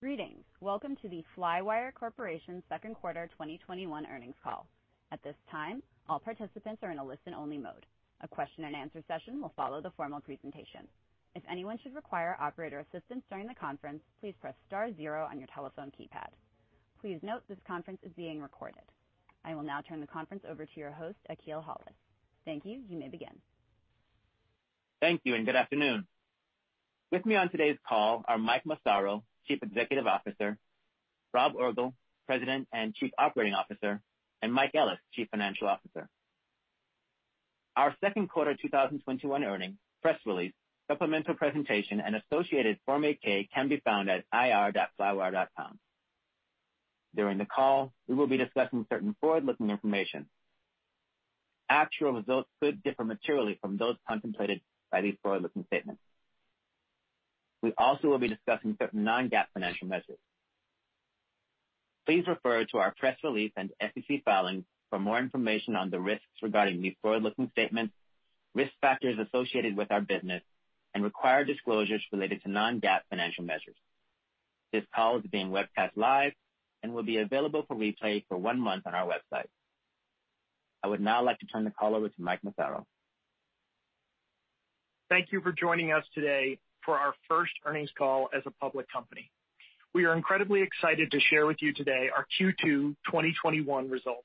Greetings. Welcome to the Flywire Corporation Second Quarter 2021 Earnings Call. At this time, all participants are in a listen only mode. A question and answer session will follow the formal presentation. If anyone should require operator assistance during the conference, please press star zero on your telephone keypad. Please note this conference is being recorded. I will now turn the conference over to your host, Akil Hollis. Thank you. You may begin. Thank you and good afternoon. With me on today's call are Mike Massaro, Chief Executive Officer, Rob Orgel, President and Chief Operating Officer, and Mike Ellis, Chief Financial Officer. Our second quarter 2021 earnings, press release, supplemental presentation, and associated Form 8-K can be found at ir.flywire.com. During the call, we will be discussing certain forward-looking information. Actual results could differ materially from those contemplated by these forward-looking statements. We also will be discussing certain non-GAAP financial measures. Please refer to our press release and SEC filings for more information on the risks regarding these forward-looking statements, risk factors associated with our business and required disclosures related to non-GAAP financial measures. This call is being webcast live and will be available for replay for one month on our website. I would now like to turn the call over to Mike Massaro. Thank you for joining us today for our first earnings call as a public company. We are incredibly excited to share with you today our Q2 2021 results.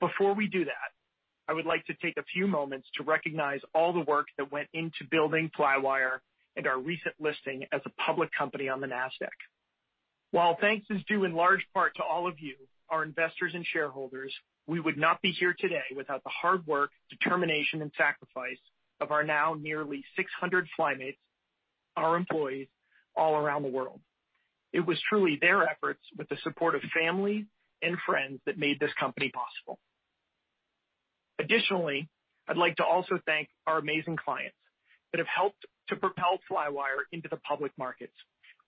Before we do that, I would like to take a few moments to recognize all the work that went into building Flywire and our recent listing as a public company on the Nasdaq. While thanks is due in large part to all of you, our investors and shareholders, we would not be here today without the hard work, determination and sacrifice of our now nearly 600 FlyMates, our employees all around the world. It was truly their efforts with the support of family and friends that made this company possible. Additionally, I'd like to also thank our amazing clients that have helped to propel Flywire into the public markets.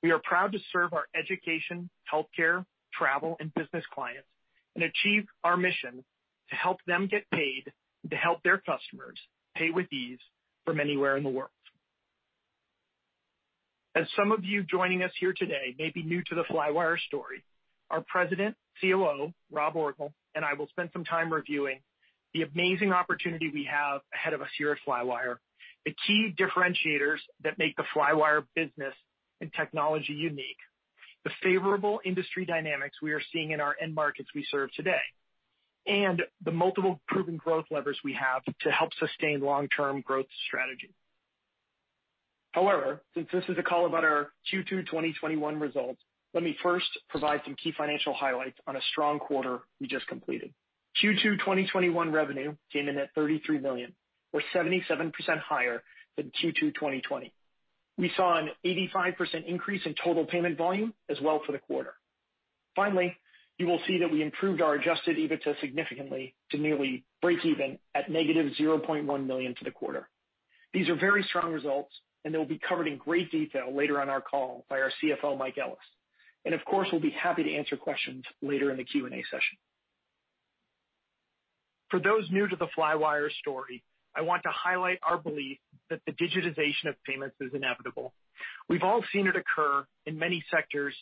We are proud to serve our education, healthcare, travel, and business clients and achieve our mission to help them get paid and to help their customers pay with ease from anywhere in the world. As some of you joining us here today may be new to the Flywire story, our President, COO, Rob Orgel, and I will spend some time reviewing the amazing opportunity we have ahead of us here at Flywire, the key differentiators that make the Flywire business and technology unique, the favorable industry dynamics we are seeing in our end markets we serve today, and the multiple proven growth levers we have to help sustain long-term growth strategy. However, since this is a call about our Q2 2021 results, let me first provide some key financial highlights on a strong quarter we just completed. Q2 2021 revenue came in at $33 million, or 77% higher than Q2 2020. We saw an 85% increase in total payment volume as well for the quarter. Finally, you will see that we improved our adjusted EBITDA significantly to nearly breakeven at $-0.1 million for the quarter. These are very strong results, and they will be covered in great detail later on our call by our CFO, Mike Ellis. Of course, we'll be happy to answer questions later in the Q&A session. For those new to the Flywire story, I want to highlight our belief that the digitization of payments is inevitable. We've all seen it occur in many sectors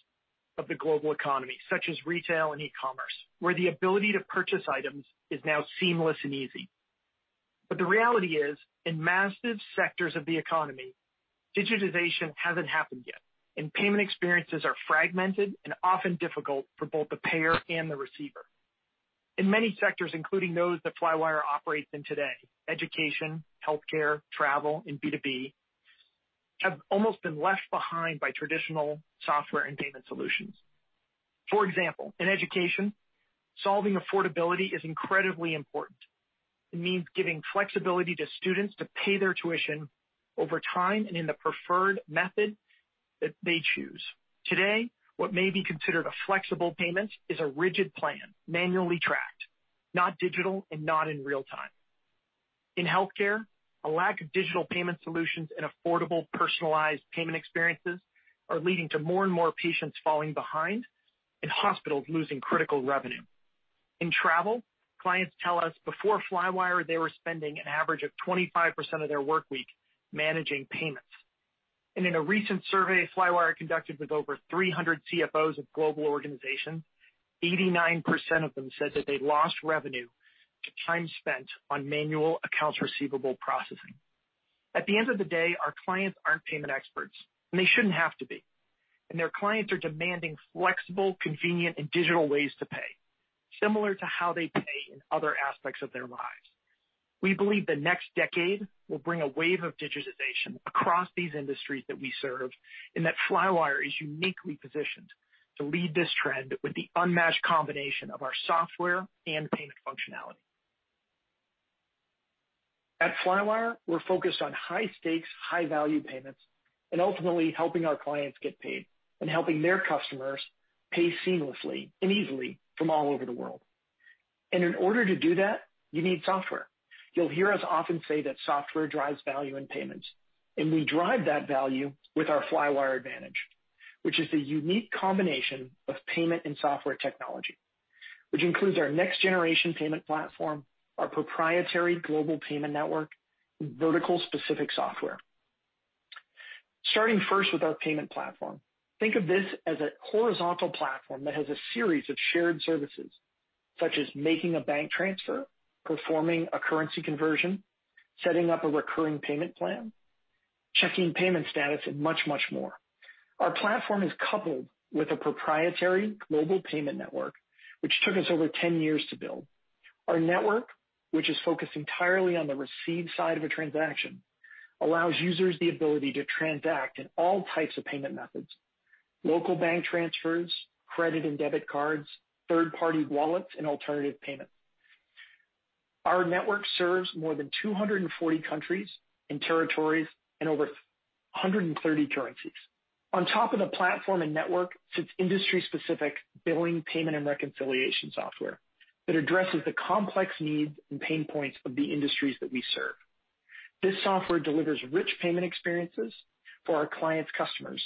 of the global economy, such as retail and e-commerce, where the ability to purchase items is now seamless and easy. The reality is, in massive sectors of the economy, digitization hasn't happened yet, and payment experiences are fragmented and often difficult for both the payer and the receiver. In many sectors, including those that Flywire operates in today, education, healthcare, travel, and B2B, have almost been left behind by traditional software and payment solutions. For example, in education, solving affordability is incredibly important. It means giving flexibility to students to pay their tuition over time and in the preferred method that they choose. Today, what may be considered a flexible payment is a rigid plan, manually tracked, not digital and not in real time. In healthcare, a lack of digital payment solutions and affordable personalized payment experiences are leading to more and more patients falling behind and hospitals losing critical revenue. In travel, clients tell us before Flywire, they were spending an average of 25% of their workweek managing payments. In a recent survey Flywire conducted with over 300 CFOs of global organizations, 89% of them said that they lost revenue to time spent on manual accounts receivable processing. At the end of the day, our clients aren't payment experts, and they shouldn't have to be. Their clients are demanding flexible, convenient, and digital ways to pay, similar to how they pay in other aspects of their lives. We believe the next decade will bring a wave of digitization across these industries that we serve, and that Flywire is uniquely positioned to lead this trend with the unmatched combination of our software and payment functionality. At Flywire, we're focused on high stakes, high value payments and ultimately helping our clients get paid and helping their customers pay seamlessly and easily from all over the world. In order to do that, you need software. You'll hear us often say that software drives value in payments, and we drive that value with our Flywire Advantage, which is the unique combination of payment and software technology, which includes our next-generation payment platform, our proprietary global payment network, and vertical-specific software. Starting first with our payment platform, think of this as a horizontal platform that has a series of shared services, such as making a bank transfer, performing a currency conversion, setting up a recurring payment plan, checking payment status, and much, much more. Our platform is coupled with a proprietary global payment network, which took us over 10 years to build. Our network, which is focused entirely on the receive side of a transaction, allows users the ability to transact in all types of payment methods, local bank transfers, credit and debit cards, third-party wallets, and alternative payments. Our network serves more than 240 countries and territories and over 130 currencies. On top of the platform and network sits industry-specific billing, payment, and reconciliation software that addresses the complex needs and pain points of the industries that we serve. This software delivers rich payment experiences for our clients' customers.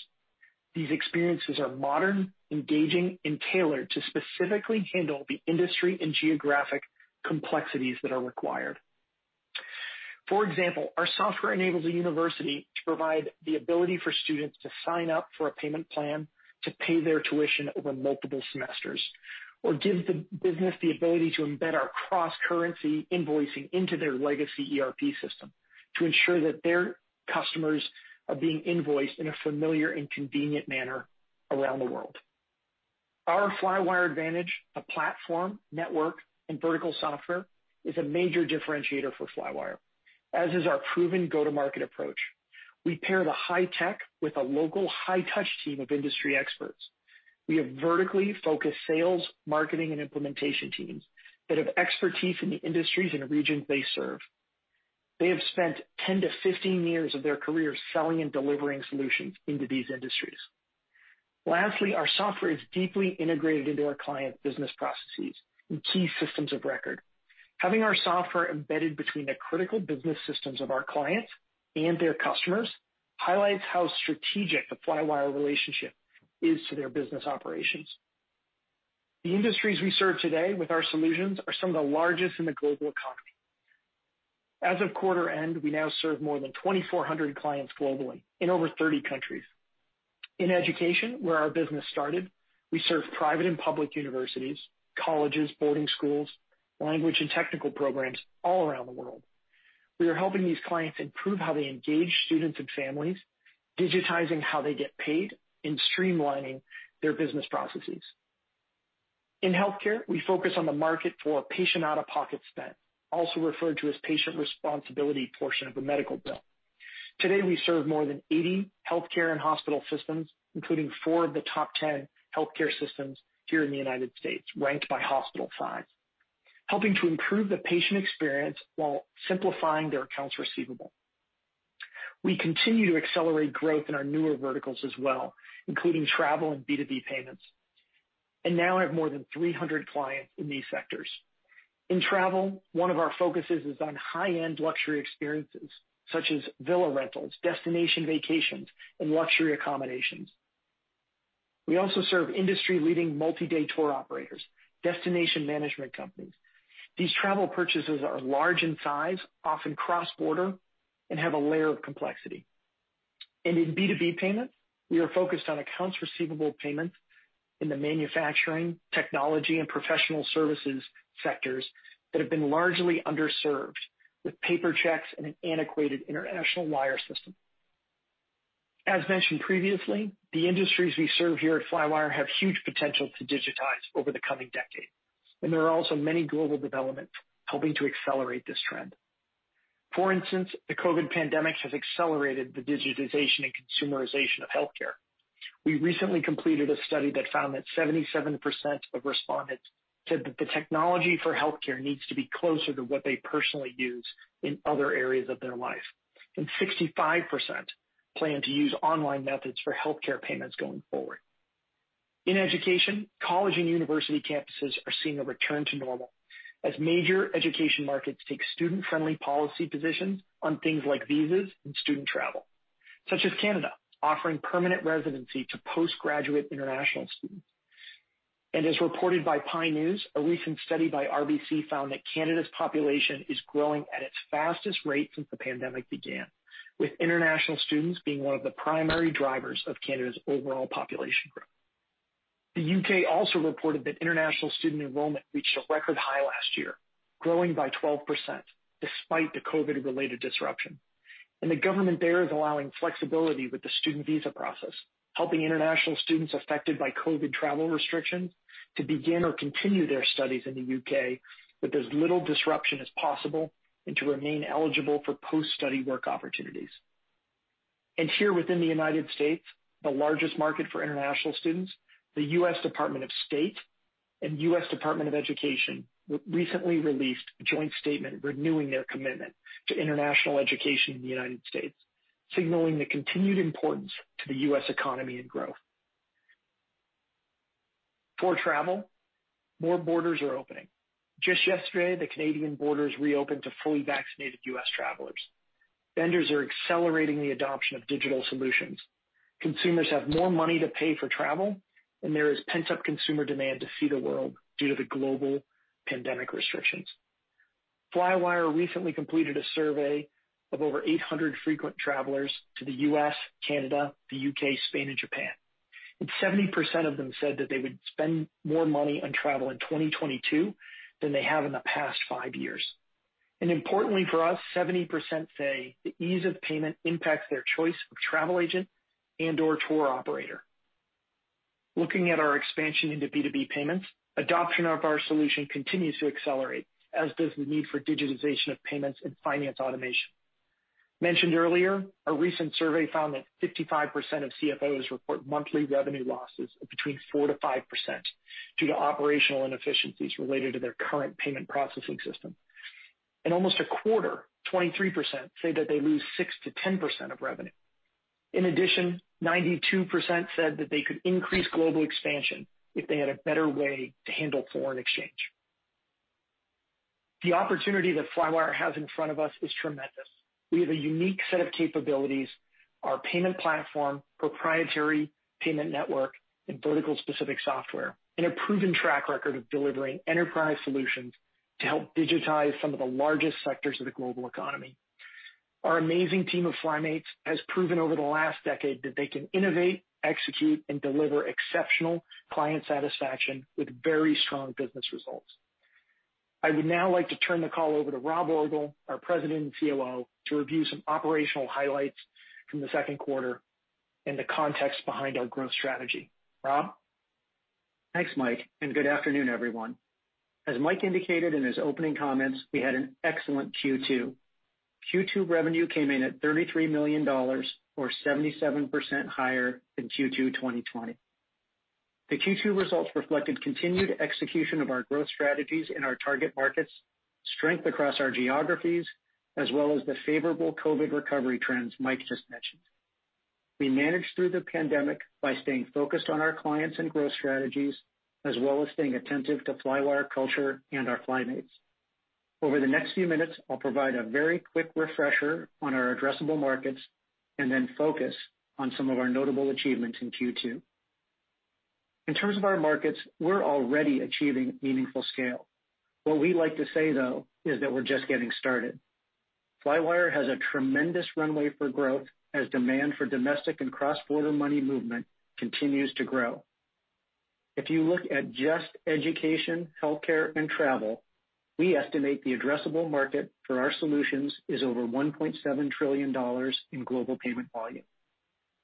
These experiences are modern, engaging, and tailored to specifically handle the industry and geographic complexities that are required. For example, our software enables a university to provide the ability for students to sign up for a payment plan to pay their tuition over multiple semesters, or give the business the ability to embed our cross-currency invoicing into their legacy ERP system to ensure that their customers are being invoiced in a familiar and convenient manner around the world. Our Flywire Advantage of platform, network, and vertical software is a major differentiator for Flywire, as is our proven go-to-market approach. We pair the high tech with a local high-touch team of industry experts. We have vertically focused sales, marketing, and implementation teams that have expertise in the industries and the regions they serve. They have spent 10 to 15 years of their careers selling and delivering solutions into these industries. Lastly, our software is deeply integrated into our clients' business processes and key systems of record. Having our software embedded between the critical business systems of our clients and their customers highlights how strategic the Flywire relationship is to their business operations. The industries we serve today with our solutions are some of the largest in the global economy. As of quarter end, we now serve more than 2,400 clients globally in over 30 countries. In education, where our business started, we serve private and public universities, colleges, boarding schools, language and technical programs all around the world. We are helping these clients improve how they engage students and families, digitizing how they get paid, and streamlining their business processes. In healthcare, we focus on the market for patient out-of-pocket spend, also referred to as patient responsibility portion of a medical bill. Today, we serve more than 80 healthcare and hospital systems, including four of the top 10 healthcare systems here in the U.S., ranked by hospital size, helping to improve the patient experience while simplifying their accounts receivable. We continue to accelerate growth in our newer verticals as well, including travel and B2B payments, and now have more than 300 clients in these sectors. In travel, one of our focuses is on high-end luxury experiences such as villa rentals, destination vacations, and luxury accommodations. We also serve industry-leading multi-day tour operators, destination management companies. These travel purchases are large in size, often cross-border, and have a layer of complexity. In B2B payments, we are focused on accounts receivable payments in the manufacturing, technology, and professional services sectors that have been largely underserved, with paper checks and an antiquated international wire system. As mentioned previously, the industries we serve here at Flywire have huge potential to digitize over the coming decade, and there are also many global developments helping to accelerate this trend. For instance, the COVID pandemic has accelerated the digitization and consumerization of healthcare. We recently completed a study that found that 77% of respondents said that the technology for healthcare needs to be closer to what they personally use in other areas of their life, and 65% plan to use online methods for healthcare payments going forward. In education, college and university campuses are seeing a return to normal as major education markets take student-friendly policy positions on things like visas and student travel, such as Canada offering permanent residency to postgraduate international students. As reported by The PIE News, a recent study by RBC found that Canada's population is growing at its fastest rate since the pandemic began, with international students being one of the primary drivers of Canada's overall population growth. The U.K. also reported that international student enrollment reached a record high last year, growing by 12% despite the COVID-19-related disruption. The government there is allowing flexibility with the student visa process, helping international students affected by COVID travel restrictions to begin or continue their studies in the U.K. with as little disruption as possible and to remain eligible for post-study work opportunities. Here within the United States, the largest market for international students, the U.S. Department of State and U.S. Department of Education recently released a joint statement renewing their commitment to international education in the United States, signaling the continued importance to the U.S. economy and growth. For travel, more borders are opening. Just yesterday, the Canadian borders reopened to fully vaccinated U.S. travelers. Vendors are accelerating the adoption of digital solutions. Consumers have more money to pay for travel, and there is pent-up consumer demand to see the world due to the global pandemic restrictions. Flywire recently completed a survey of over 800 frequent travelers to the U.S., Canada, the U.K., Spain, and Japan, and 70% of them said that they would spend more money on travel in 2022 than they have in the past five years. Importantly for us, 70% say the ease of payment impacts their choice of travel agent and/or tour operator. Looking at our expansion into B2B payments, adoption of our solution continues to accelerate, as does the need for digitization of payments and finance automation. Mentioned earlier, a recent survey found that 55% of CFOs report monthly revenue losses of between 4%-5% due to operational inefficiencies related to their current payment processing system. Almost a quarter, 23%, say that they lose 6%-10% of revenue. In addition, 92% said that they could increase global expansion if they had a better way to handle foreign exchange. The opportunity that Flywire has in front of us is tremendous. We have a unique set of capabilities, our payment platform, proprietary payment network, and vertical-specific software, and a proven track record of delivering enterprise solutions to help digitize some of the largest sectors of the global economy. Our amazing team of FlyMates has proven over the last decade that they can innovate, execute, and deliver exceptional client satisfaction with very strong business results. I would now like to turn the call over to Rob Orgel, our President and COO, to review some operational highlights from the second quarter and the context behind our growth strategy. Rob? Thanks, Mike. Good afternoon, everyone. As Mike indicated in his opening comments, we had an excellent Q2. Q2 revenue came in at $33 million, or 77% higher than Q2 2020. The Q2 results reflected continued execution of our growth strategies in our target markets, strength across our geographies, as well as the favorable COVID recovery trends Mike just mentioned. We managed through the pandemic by staying focused on our clients and growth strategies, as well as staying attentive to Flywire culture and our FlyMates. Over the next few minutes, I'll provide a very quick refresher on our addressable markets and then focus on some of our notable achievements in Q2. In terms of our markets, we're already achieving meaningful scale. What we like to say, though, is that we're just getting started. Flywire has a tremendous runway for growth as demand for domestic and cross-border money movement continues to grow. If you look at just education, healthcare, and travel, we estimate the addressable market for our solutions is over $1.7 trillion in global payment volume.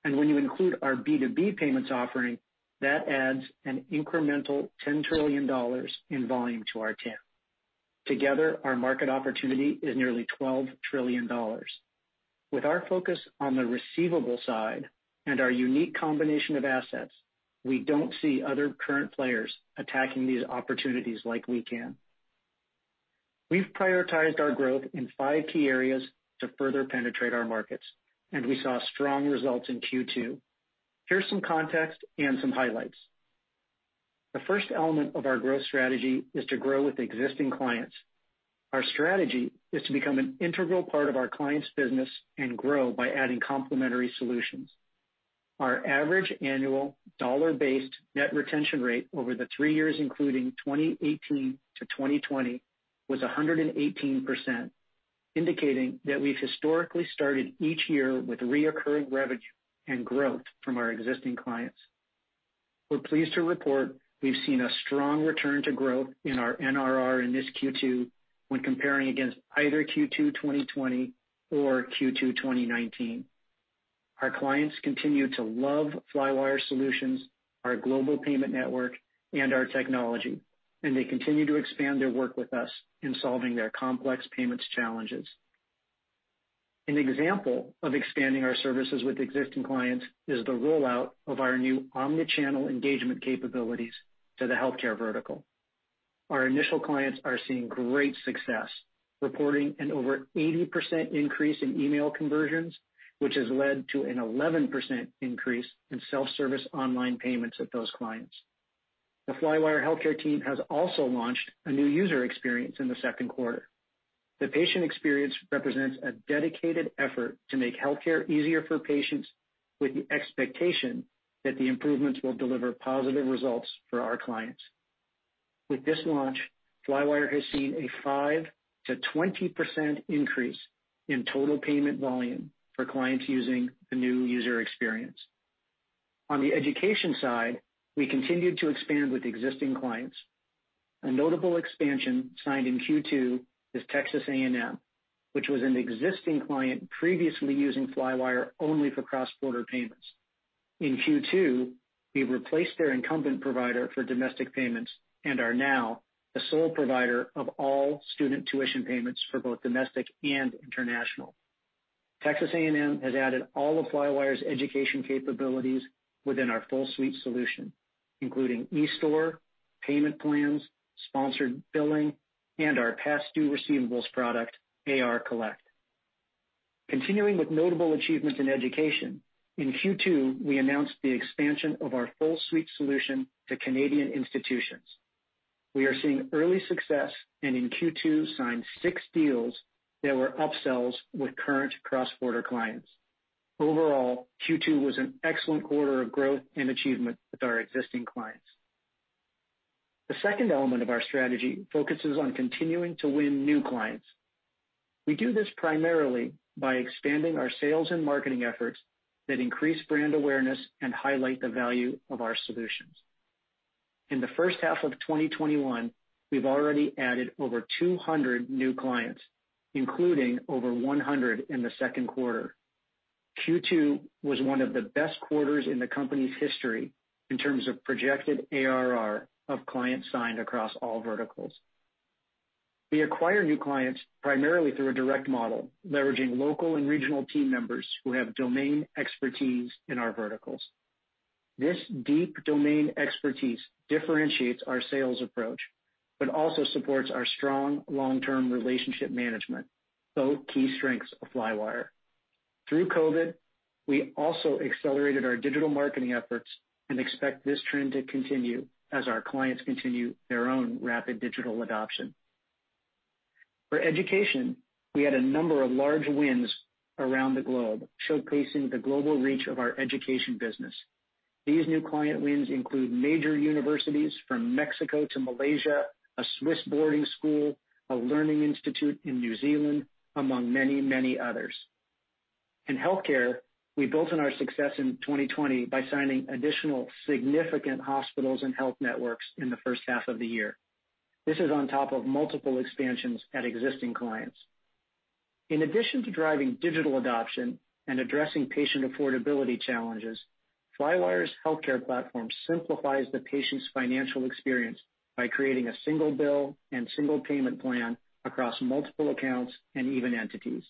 When you include our B2B payments offering, that adds an incremental $10 trillion in volume to our TAM. Together, our market opportunity is nearly $12 trillion. With our focus on the receivable side and our unique combination of assets, we don't see other current players attacking these opportunities like we can. We've prioritized our growth in five key areas to further penetrate our markets, and we saw strong results in Q2. Here's some context and some highlights. The first element of our growth strategy is to grow with existing clients. Our strategy is to become an integral part of our client's business and grow by adding complementary solutions. Our average annual dollar-based net retention rate over the three years including 2018 to 2020 was 118%, indicating that we've historically started each year with reoccurring revenue and growth from our existing clients. We're pleased to report we've seen a strong return to growth in our NRR in this Q2 when comparing against either Q2 2020 or Q2 2019. Our clients continue to love Flywire solutions, our global payment network, and our technology. They continue to expand their work with us in solving their complex payments challenges. An example of expanding our services with existing clients is the rollout of our new omni-channel engagement capabilities to the healthcare vertical. Our initial clients are seeing great success, reporting an over 80% increase in email conversions, which has led to an 11% increase in self-service online payments with those clients. The Flywire Healthcare team has also launched a new user experience in the second quarter. The patient experience represents a dedicated effort to make healthcare easier for patients with the expectation that the improvements will deliver positive results for our clients. With this launch, Flywire has seen a 5%-20% increase in total payment volume for clients using the new user experience. On the education side, we continued to expand with existing clients. A notable expansion signed in Q2 is Texas A&M, which was an existing client previously using Flywire only for cross-border payments. In Q2, we've replaced their incumbent provider for domestic payments and are now the sole provider of all student tuition payments for both domestic and international. Texas A&M has added all of Flywire's education capabilities within our full suite solution, including eStore, payment plans, sponsored billing, and our past due receivables product, A/R Collect. Continuing with notable achievements in education, in Q2, we announced the expansion of our full suite solution to Canadian institutions. We are seeing early success, and in Q2 signed six deals that were upsells with current cross-border clients. Overall, Q2 was an excellent quarter of growth and achievement with our existing clients. The second element of our strategy focuses on continuing to win new clients. We do this primarily by expanding our sales and marketing efforts that increase brand awareness and highlight the value of our solutions. In the first half of 2021, we've already added over 200 new clients, including over 100 in the second quarter. Q2 was one of the best quarters in the company's history in terms of projected ARR of clients signed across all verticals. We acquire new clients primarily through a direct model, leveraging local and regional team members who have domain expertise in our verticals. This deep domain expertise differentiates our sales approach, but also supports our strong long-term relationship management, both key strengths of Flywire. Through COVID, we also accelerated our digital marketing efforts and expect this trend to continue as our clients continue their own rapid digital adoption. For education, we had a number of large wins around the globe, showcasing the global reach of our education business. These new client wins include major universities from Mexico to Malaysia, a Swiss boarding school, a learning institute in New Zealand, among many, many others. In healthcare, we built on our success in 2020 by signing additional significant hospitals and health networks in the first half of the year. This is on top of multiple expansions at existing clients. In addition to driving digital adoption and addressing patient affordability challenges, Flywire's healthcare platform simplifies the patient's financial experience by creating a single bill and single payment plan across multiple accounts and even entities.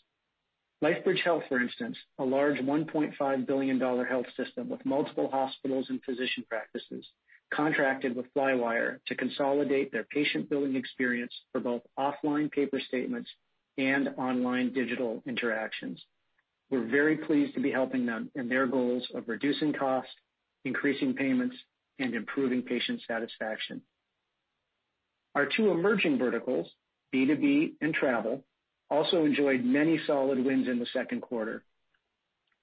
LifeBridge Health, for instance, a large $1.5 billion health system with multiple hospitals and physician practices, contracted with Flywire to consolidate their patient billing experience for both offline paper statements and online digital interactions. We're very pleased to be helping them in their goals of reducing costs, increasing payments, and improving patient satisfaction. Our two emerging verticals, B2B and travel, also enjoyed many solid wins in the second quarter.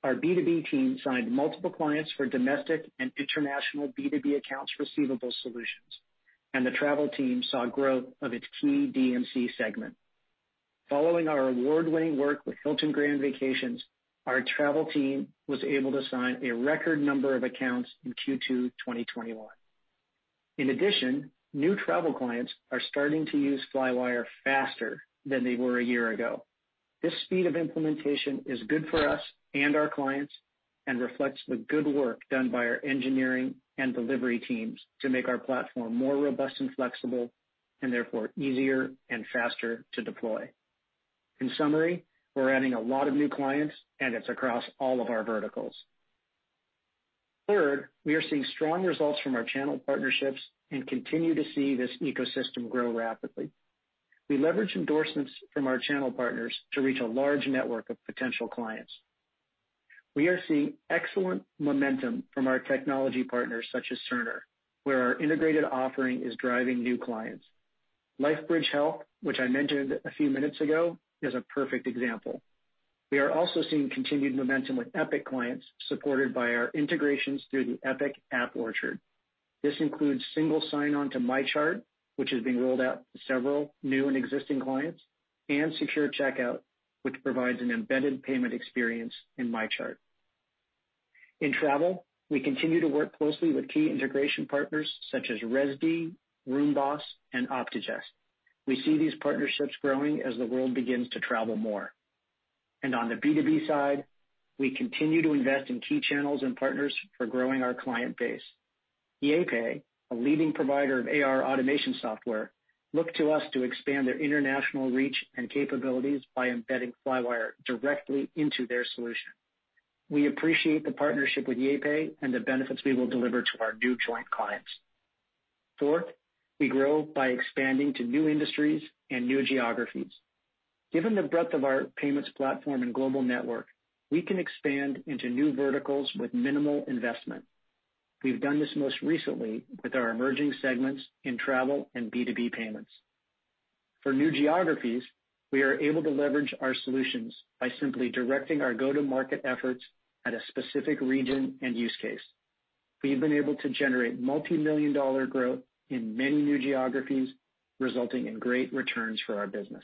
Our B2B team signed multiple clients for domestic and international B2B accounts receivable solutions. The travel team saw growth of its key DMC segment. Following our award-winning work with Hilton Grand Vacations, our travel team was able to sign a record number of accounts in Q2 2021. In addition, new travel clients are starting to use Flywire faster than they were a year ago. This speed of implementation is good for us and our clients and reflects the good work done by our engineering and delivery teams to make our platform more robust and flexible, and therefore easier and faster to deploy. In summary, we're adding a lot of new clients, and it's across all of our verticals. Third, we are seeing strong results from our channel partnerships and continue to see this ecosystem grow rapidly. We leverage endorsements from our channel partners to reach a large network of potential clients. We are seeing excellent momentum from our technology partners such as Cerner, where our integrated offering is driving new clients. LifeBridge Health, which I mentioned a few minutes ago, is a perfect example. We are also seeing continued momentum with Epic clients supported by our integrations through the Epic App Orchard. This includes single sign-on to MyChart, which is being rolled out to several new and existing clients, and secure checkout, which provides an embedded payment experience in MyChart. In travel, we continue to work closely with key integration partners such as Rezdy, RoomBoss, and Optigest. We see these partnerships growing as the world begins to travel more. On the B2B side, we continue to invest in key channels and partners for growing our client base. YayPay, a leading provider of AR automation software, look to us to expand their international reach and capabilities by embedding Flywire directly into their solution. We appreciate the partnership with YayPay and the benefits we will deliver to our new joint clients. Fourth, we grow by expanding to new industries and new geographies. Given the breadth of our payments platform and global network, we can expand into new verticals with minimal investment. We've done this most recently with our emerging segments in travel and B2B payments. For new geographies, we are able to leverage our solutions by simply directing our go-to-market efforts at a specific region and use case. We've been able to generate multimillion-dollar growth in many new geographies, resulting in great returns for our business.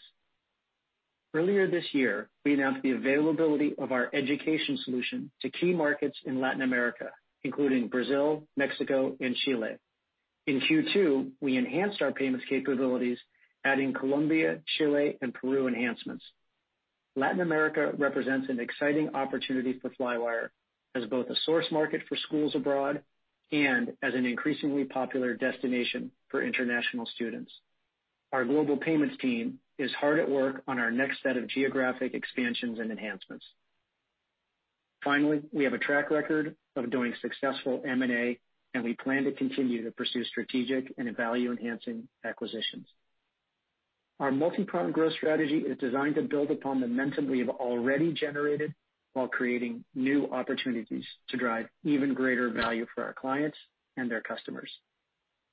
Earlier this year, we announced the availability of our education solution to key markets in Latin America, including Brazil, Mexico, and Chile. In Q2, we enhanced our payments capabilities, adding Colombia, Chile, and Peru enhancements. Latin America represents an exciting opportunity for Flywire as both a source market for schools abroad and as an increasingly popular destination for international students. Our global payments team is hard at work on our next set of geographic expansions and enhancements. Finally, we have a track record of doing successful M&A, and we plan to continue to pursue strategic and value-enhancing acquisitions. Our multipronged growth strategy is designed to build upon momentum we have already generated while creating new opportunities to drive even greater value for our clients and their customers.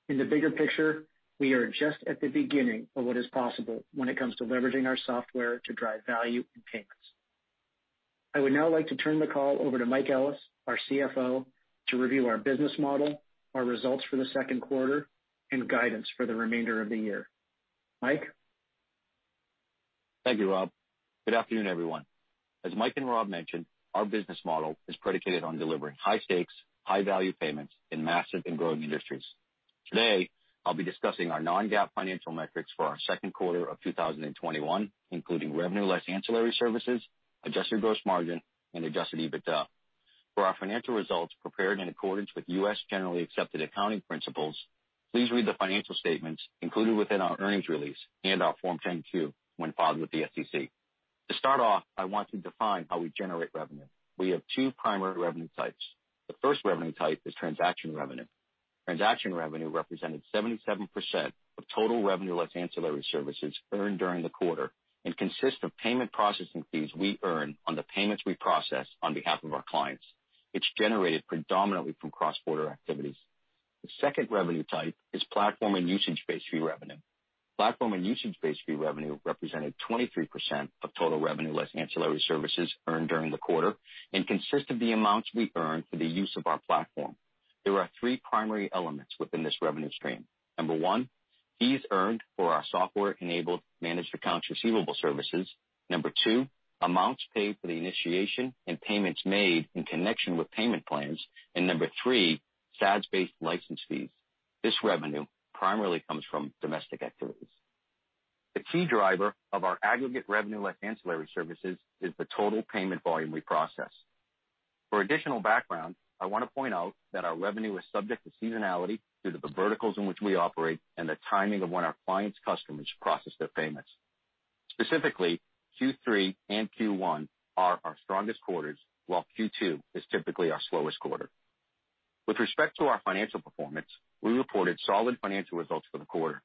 In the bigger picture, we are just at the beginning of what is possible when it comes to leveraging our software to drive value and payments. I would now like to turn the call over to Mike Ellis, our CFO, to review our business model, our results for the second quarter, and guidance for the remainder of the year. Mike? Thank you, Rob. Good afternoon, everyone. As Mike and Rob mentioned, our business model is predicated on delivering high stakes, high-value payments in massive and growing industries. Today, I'll be discussing our non-GAAP financial metrics for our second quarter of 2021, including Revenue Less Ancillary Services, adjusted gross margin, and adjusted EBITDA. For our financial results prepared in accordance with U.S. Generally Accepted Accounting Principles, please read the financial statements included within our earnings release and our Form 10-Q when filed with the SEC. To start off, I want to define how we generate revenue. We have two primary revenue types. The first revenue type is transaction revenue. Transaction revenue represented 77% of total Revenue Less Ancillary Services earned during the quarter and consists of payment processing fees we earn on the payments we process on behalf of our clients. It's generated predominantly from cross-border activities. The second revenue type is platform and usage-based fee revenue. Platform and usage-based fee revenue represented 23% of total Revenue Less Ancillary Services earned during the quarter and consists of the amounts we earn for the use of our platform. There are three primary elements within this revenue stream. Number one, fees earned for our software-enabled managed accounts receivable services. Number two, amounts paid for the initiation and payments made in connection with payment plans. Number three, SaaS-based license fees. This revenue primarily comes from domestic activities. The key driver of our aggregate Revenue Less Ancillary Services is the total payment volume we process. For additional background, I want to point out that our revenue is subject to seasonality due to the verticals in which we operate and the timing of when our clients' customers process their payments. Specifically, Q3 and Q1 are our strongest quarters, while Q2 is typically our slowest quarter. With respect to our financial performance, we reported solid financial results for the quarter.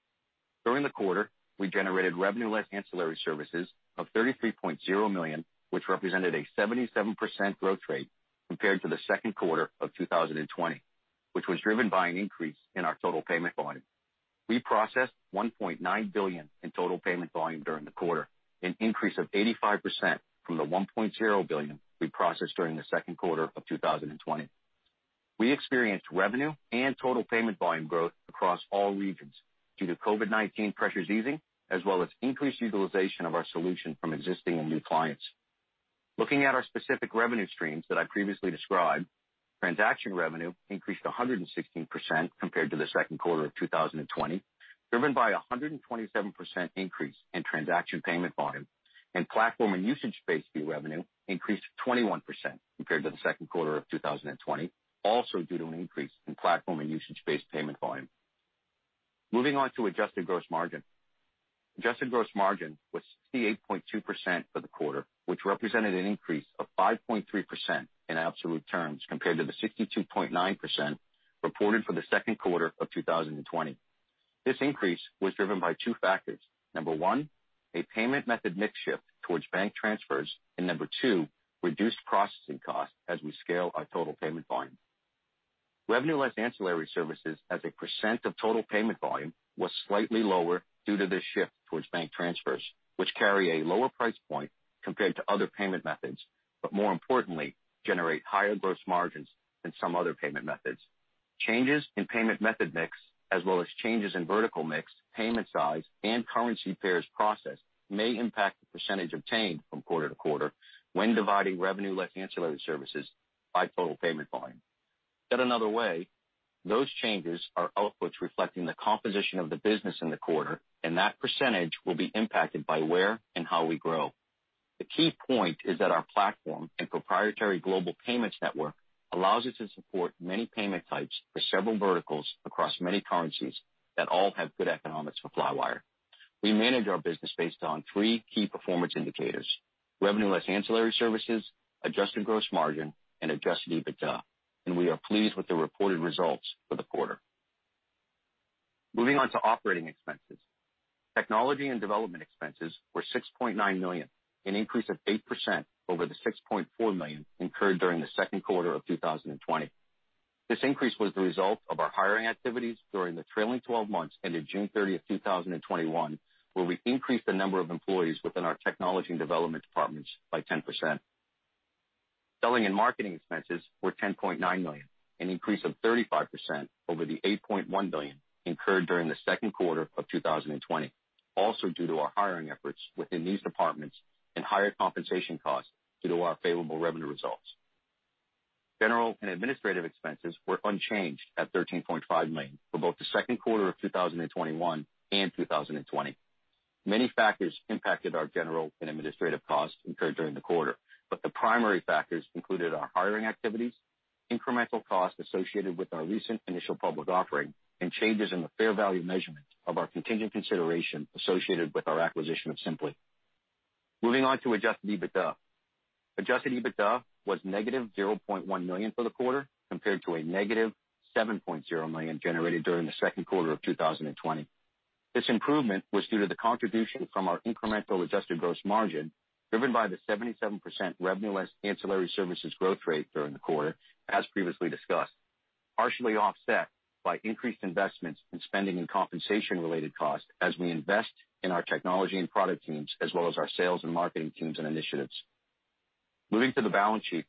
During the quarter, we generated Revenue Less Ancillary Services of $33.0 million, which represented a 77% growth rate compared to the second quarter of 2020, which was driven by an increase in our total payment volume. We processed $1.9 billion in total payment volume during the quarter, an increase of 85% from the $1.0 billion we processed during the second quarter of 2020. We experienced revenue and total payment volume growth across all regions due to COVID-19 pressures easing as well as increased utilization of our solution from existing and new clients. Looking at our specific revenue streams that I previously described, transaction revenue increased 116% compared to the second quarter of 2020, driven by a 127% increase in transaction payment volume. Platform and usage-based fee revenue increased 21% compared to the second quarter of 2020, also due to an increase in platform and usage-based payment volume. Moving on to adjusted gross margin. Adjusted gross margin was 68.2% for the quarter, which represented an increase of 5.3% in absolute terms compared to the 62.9% reported for the second quarter of 2020. This increase was driven by two factors. Number one, a payment method mix shift towards bank transfers. Number two, reduced processing costs as we scale our total payment volume. Revenue Less Ancillary Services as a percent of total payment volume was slightly lower due to the shift towards bank transfers, which carry a lower price point compared to other payment methods, but more importantly, generate higher gross margins than some other payment methods. Changes in payment method mix as well as changes in vertical mix, payment size, and currency pairs processed may impact the percent obtained from quarter to quarter when dividing Revenue Less Ancillary Services by total payment volume. Said another way, those changes are outputs reflecting the composition of the business in the quarter, and that percentage will be impacted by where and how we grow. The key point is that our platform and proprietary global payment network allows us to support many payment types for several verticals across many currencies that all have good economics for Flywire. We manage our business based on three key performance indicators: Revenue Less Ancillary Services, Adjusted Gross Margin, and adjusted EBITDA, and we are pleased with the reported results for the quarter. Moving on to operating expenses. Technology and development expenses were $6.9 million, an increase of 8% over the $6.4 million incurred during the second quarter of 2020. This increase was the result of our hiring activities during the trailing 12 months ended June 30th, 2021, where we increased the number of employees within our technology and development departments by 10%. Selling and marketing expenses were $10.9 million, an increase of 35% over the $8.1 million incurred during the second quarter of 2020, also due to our hiring efforts within these departments and higher compensation costs due to our favorable revenue results. General and administrative expenses were unchanged at $13.5 million for both the second quarter of 2021 and 2020. Many factors impacted our general and administrative costs incurred during the quarter, but the primary factors included our hiring activities, incremental cost associated with our recent initial public offering and changes in the fair value measurement of our contingent consideration associated with our acquisition of Simplee. Moving on to adjusted EBITDA. Adjusted EBITDA was $-0.1 million for the quarter compared to $-7.0 million generated during the second quarter of 2020. This improvement was due to the contribution from our incremental adjusted gross margin, driven by the 77% Revenue Less Ancillary Services growth rate during the quarter, as previously discussed, partially offset by increased investments in spending and compensation-related costs as we invest in our technology and product teams as well as our sales and marketing teams and initiatives. Moving to the balance sheet.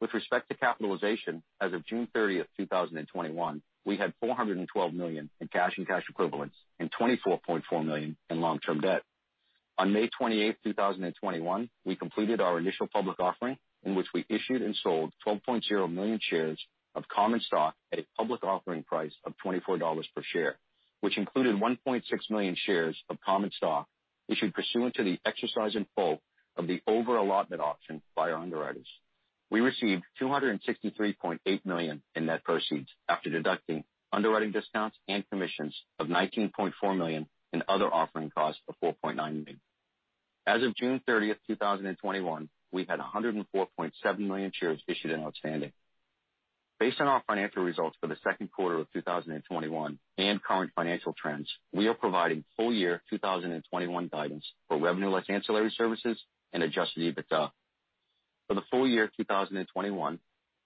With respect to capitalization as of June 30th, 2021, we had $412 million in cash and cash equivalents and $24.4 million in long-term debt. On May 28, 2021, we completed our initial public offering, in which we issued and sold 12.0 million shares of common stock at a public offering price of $24 per share, which included 1.6 million shares of common stock issued pursuant to the exercise in full of the over-allotment option by our underwriters. We received $263.8 million in net proceeds after deducting underwriting discounts and commissions of $19.4 million and other offering costs of $4.9 million. As of June 30th, 2021, we had 104.7 million shares issued and outstanding. Based on our financial results for the second quarter of 2021 and current financial trends, we are providing full year 2021 guidance for Revenue Less Ancillary Services and adjusted EBITDA. For the full year 2021,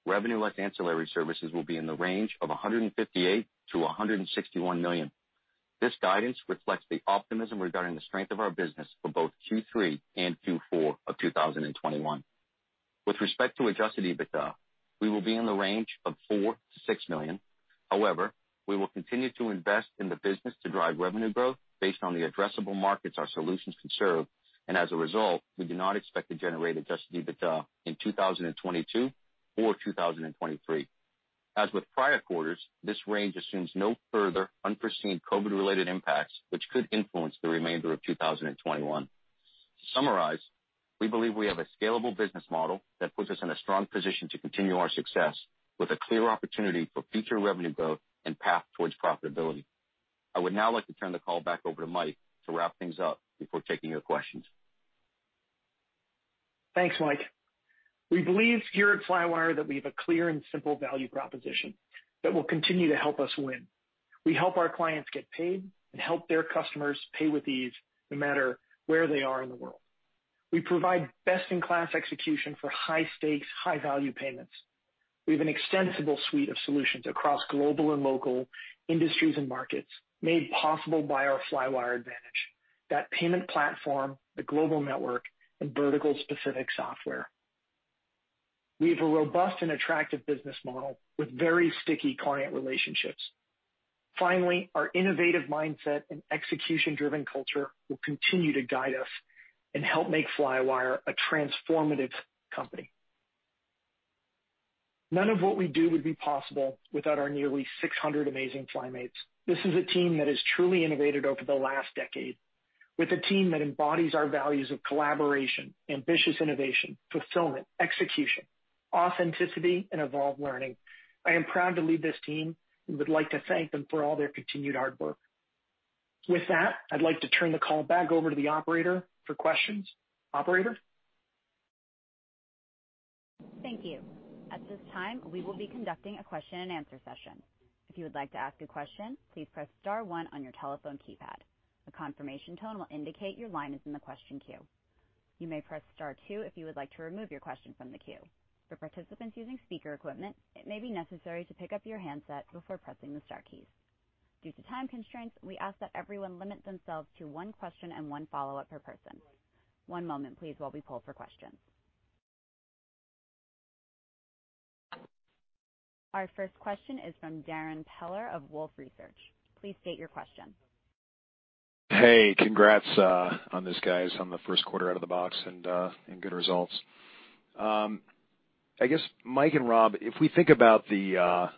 Revenue Less Ancillary Services will be in the range of $158 million-$161 million. This guidance reflects the optimism regarding the strength of our business for both Q3 and Q4 of 2021. With respect to adjusted EBITDA, we will be in the range of $4 million-$6 million. However, we will continue to invest in the business to drive revenue growth based on the addressable markets our solutions can serve. As a result, we do not expect to generate adjusted EBITDA in 2022 or 2023. As with prior quarters, this range assumes no further unforeseen COVID-related impacts which could influence the remainder of 2021. To summarize, we believe we have a scalable business model that puts us in a strong position to continue our success with a clear opportunity for future revenue growth and path towards profitability. I would now like to turn the call back over to Mike to wrap things up before taking your questions. Thanks, Mike. We believe here at Flywire that we have a clear and simple value proposition that will continue to help us win. We help our clients get paid and help their customers pay with ease no matter where they are in the world. We provide best-in-class execution for high stakes, high value payments. We have an extensible suite of solutions across global and local industries and markets made possible by our Flywire Advantage. That payment platform, the global network, and vertical specific software. We have a robust and attractive business model with very sticky client relationships. Finally, our innovative mindset and execution-driven culture will continue to guide us and help make Flywire a transformative company. None of what we do would be possible without our nearly 600 amazing FlyMates. This is a team that has truly innovated over the last decade with a team that embodies our values of collaboration, ambitious innovation, fulfillment, execution, authenticity, and evolved learning. I am proud to lead this team and would like to thank them for all their continued hard work. With that, I'd like to turn the call back over to the operator for questions. Operator? Thank you. At this time we will be conducting a question and answer session. If you would like to ask a question please press star one on your telephone keypad. A confirmation tone will indicate your line is in the question queue. You may press star two if you would like to remove your question from the queue. The participants using speaker equipments, maybe necessary to take up your hands, before pressing the star keys. Due to time constraints we ask that everyone limits themselves to one question and one follow up per person. One moment please while we poll for questions. Our first question is from Darrin Peller of Wolfe Research. Please state your question. Hey, congrats on this guys on the first quarter out of the box and good results. I guess Mike and Rob, if we think about the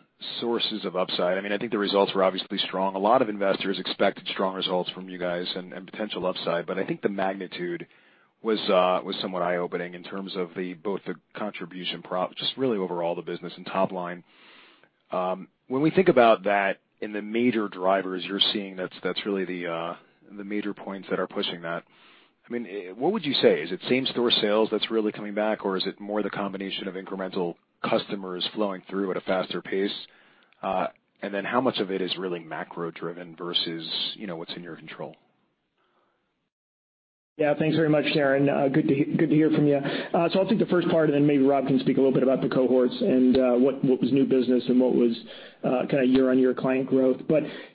sources of upside, I mean, I think the results were obviously strong. A lot of investors expected strong results from you guys and potential upside, but I think the magnitude was somewhat eye-opening in terms of the both the contribution just really overall the business and top line. When we think about that and the major drivers you're seeing that's really the major points that are pushing that. I mean, what would you say? Is it same-store sales that's really coming back, or is it more the combination of incremental customers flowing through at a faster pace? How much of it is really macro-driven versus, you know, what's in your control? Yeah. Thanks very much, Darrin. Good to hear from you. I'll take the first part, then maybe Rob can speak a little bit about the cohorts and what was new business and what was kind of year-on-year client growth.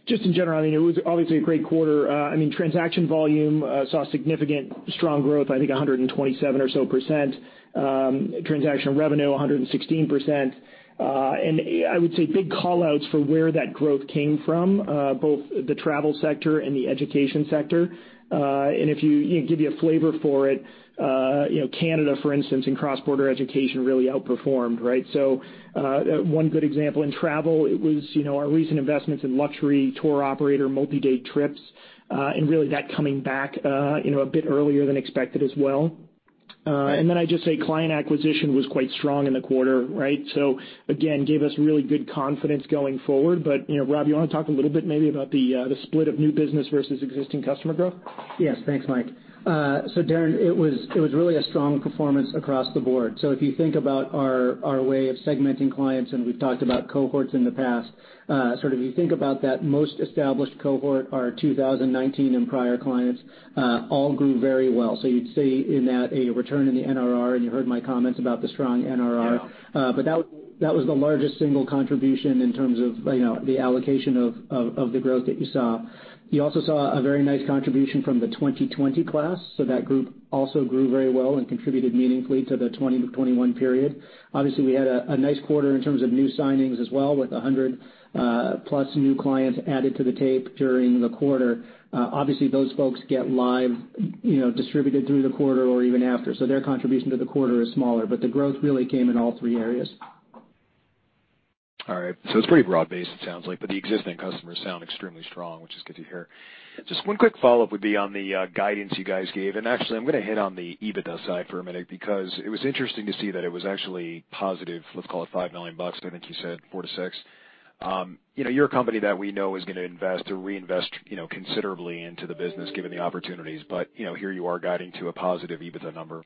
Just in general, I mean, it was obviously a great quarter. I mean, transaction volume saw significant strong growth, I think 127% or so, transaction revenue 116%. I would say big call-outs for where that growth came from, both the travel sector and the education sector. If you give you a flavor for it, you know, Canada, for instance, in cross-border education really outperformed, right? One good example in travel, it was, you know, our recent investments in luxury tour operator multi-day trips, and really that coming back, you know, a bit earlier than expected as well. Then I just say client acquisition was quite strong in the quarter, right? Again, gave us really good confidence going forward. You know, Rob, you wanna talk a little bit maybe about the split of new business versus existing customer growth? Yes. Thanks, Mike. Darrin, it was really a strong performance across the board. If you think about our way of segmenting clients, and we've talked about cohorts in the past, you think about that most established cohort, our 2019 and prior clients, all grew very well. You'd see in that a return in the NRR, you heard my comments about the strong NRR. Yeah. That, that was the largest single contribution in terms of, you know, the allocation of the growth that you saw. You also saw a very nice contribution from the 2020 class, that group also grew very well and contributed meaningfully to the 2020-2021 period. Obviously, we had a nice quarter in terms of new signings as well, with 100+ new clients added to the tape during the quarter. Obviously, those folks get live, you know, distributed through the quarter or even after, their contribution to the quarter is smaller. The growth really came in all three areas. All right. It's pretty broad-based, it sounds like, but the existing customers sound extremely strong, which is good to hear. Just one quick follow-up would be on the guidance you guys gave, and actually I'm gonna hit on the EBITDA side for a minute because it was interesting to see that it was actually positive, let's call it $5 million, but I think you said $4 million-$6 million. You know, you're a company that we know is gonna invest or reinvest, you know, considerably into the business given the opportunities. You know, here you are guiding to a positive EBITDA number.